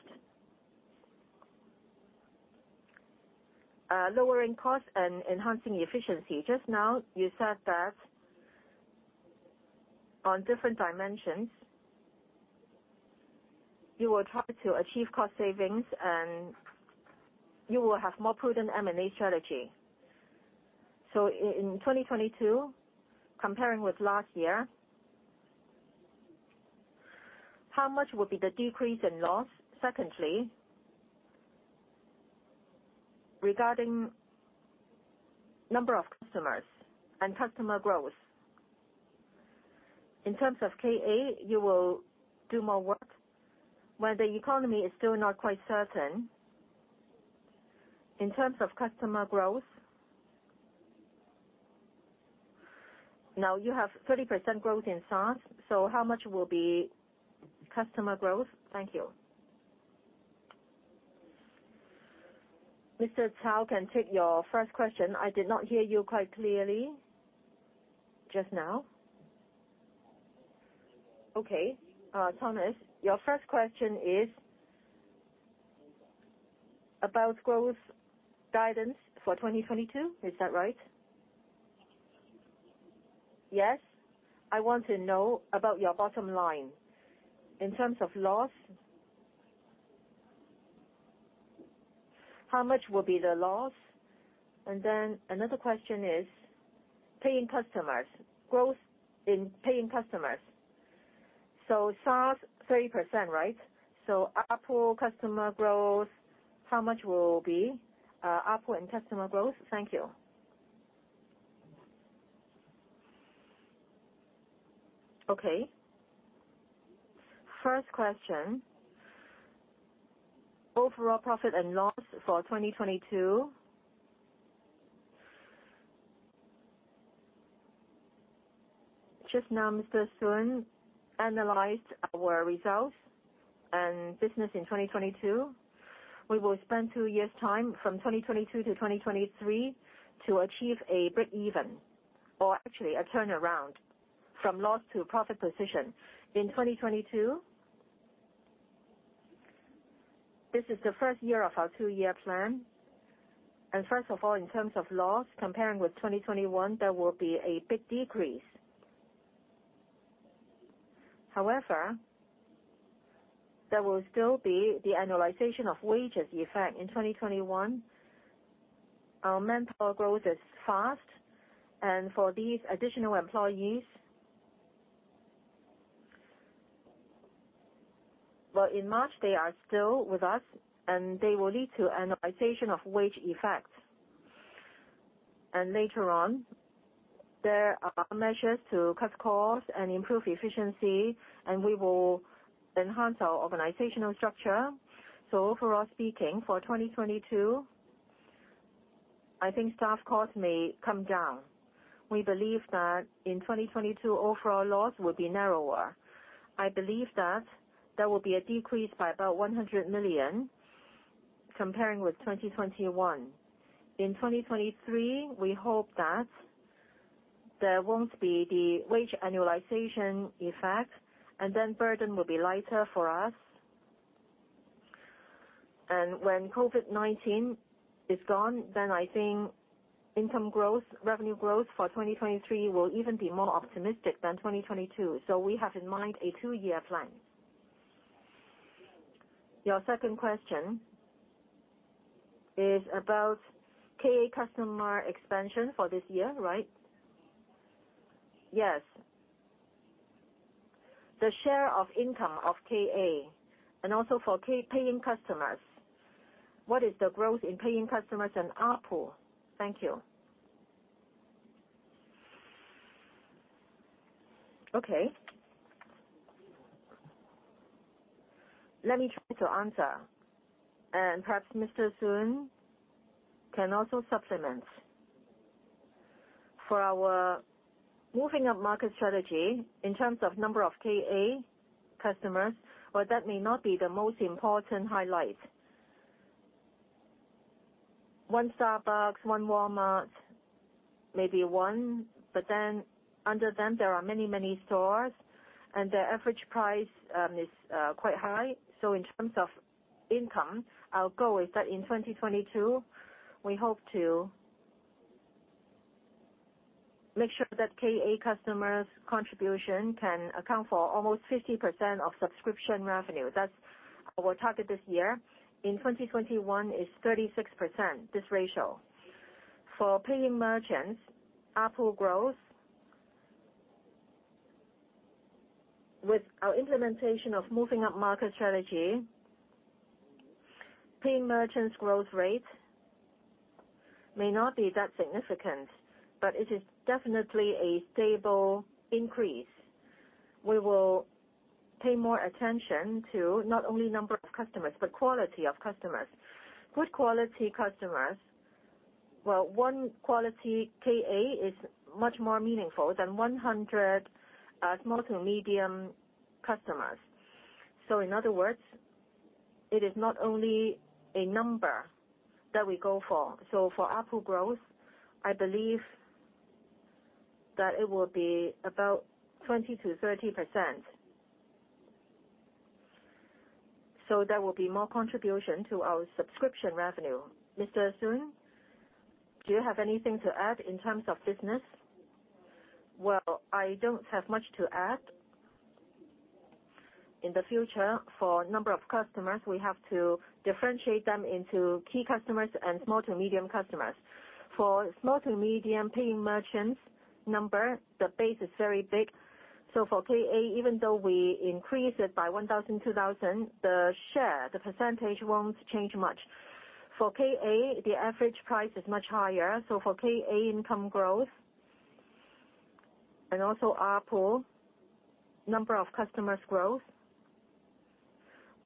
lowering costs and enhancing efficiency. Just now, you said that on different dimensions, you will try to achieve cost savings, and you will have more prudent M&A strategy. In 2022, comparing with last year, how much will be the decrease in loss? Secondly, regarding number of customers and customer growth, in terms of KA, you will do more work where the economy is still not quite certain. In terms of customer growth, now you have 30% growth in SaaS, so how much will be customer growth? Thank you. Mr. Cao can take your first question. I did not hear you quite clearly just now. Okay. Thomas, your first question is about growth guidance for 2022. Is that right? Yes. I want to know about your bottom line. In terms of loss, how much will be the loss? Then another question is paying customers, growth in paying customers. SaaS, 30%, right? Paying customer growth, how much will it be, paying and customer growth? Thank you. Okay. First question, overall profit and loss for 2022. Just now, Mr. Sun analyzed our results and business in 2022. We will spend two years time from 2022 to 2023 to achieve a break-even or actually a turnaround from loss to profit position. In 2022, this is the first year of our two-year plan. First of all, in terms of loss, comparing with 2021, there will be a big decrease. However, there will still be the annualization of wages effect. In 2021, our manpower growth is fast, and for these additional employees, in March, they are still with us, and they will lead to annualization of wage effect. Later on, there are measures to cut costs and improve efficiency, and we will enhance our organizational structure. Overall speaking, for 2022, I think staff costs may come down. We believe that in 2022, overall loss will be narrower. I believe that there will be a decrease by about 100 million comparing with 2021. In 2023, we hope that there won't be the wage annualization effect, and then burden will be lighter for us. When COVID-19 is gone, then I think income growth, revenue growth for 2023 will even be more optimistic than 2022. We have in mind a two-year plan. Your second question is about KA customer expansion for this year, right? Yes. The share of income of KA and also for key paying customers, what is the growth in paying customers and ARPU? Thank you. Okay. Let me try to answer, and perhaps Mr. Sun can also supplement. For our moving upmarket strategy in terms of number of KA customers, well, that may not be the most important highlight. One Starbucks, one Walmart, maybe one, but then under them there are many, many stores, and the average price is quite high. In terms of income, our goal is that in 2022, we hope to make sure that KA customers' contribution can account for almost 50% of subscription revenue. That's our target this year. In 2021, it's 36%, this ratio. For paying merchants, ARPU growth, with our implementation of moving up market strategy, paying merchants growth rate may not be that significant, but it is definitely a stable increase. We will pay more attention to not only number of customers, but quality of customers. Good quality customers. Well, one quality KA is much more meaningful than 100 small- to medium-sized customers. In other words, it is not only a number that we go for. For ARPU growth, I believe that it will be about 20%-30%. There will be more contribution to our subscription revenue. Mr. Sun, do you have anything to add in terms of business? Well, I don't have much to add. In the future, for number of customers, we have to differentiate them into key customers and small to medium customers. For small to medium paying merchants number, the base is very big. For KA, even though we increase it by 1,000 to 2,000, the share, the percentage won't change much. For KA, the average price is much higher. For KA income growth and also ARPU, number of customers growth,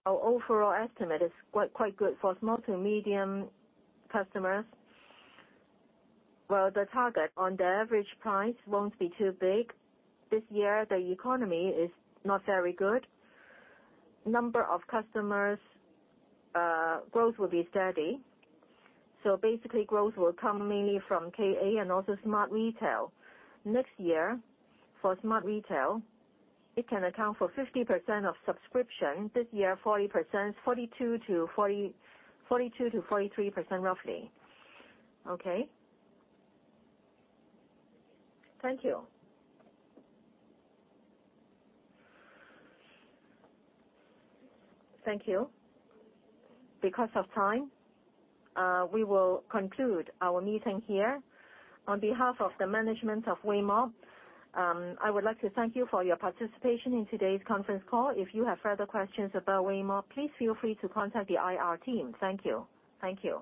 our overall estimate is quite good. For small to medium customers, the target on the average price won't be too big. This year, the economy is not very good. Number of customers growth will be steady. Basically, growth will come mainly from KA and also Smart Retail. Next year, for Smart Retail, it can account for 50% of Subscription. This year, 40%, 42%-43% roughly. Okay. Thank you. Thank you. Because of time, we will conclude our meeting here. On behalf of the management of Weimob, I would like to thank you for your participation in today's conference call. If you have further questions about Weimob, please feel free to contact the IR team. Thank you. Thank you.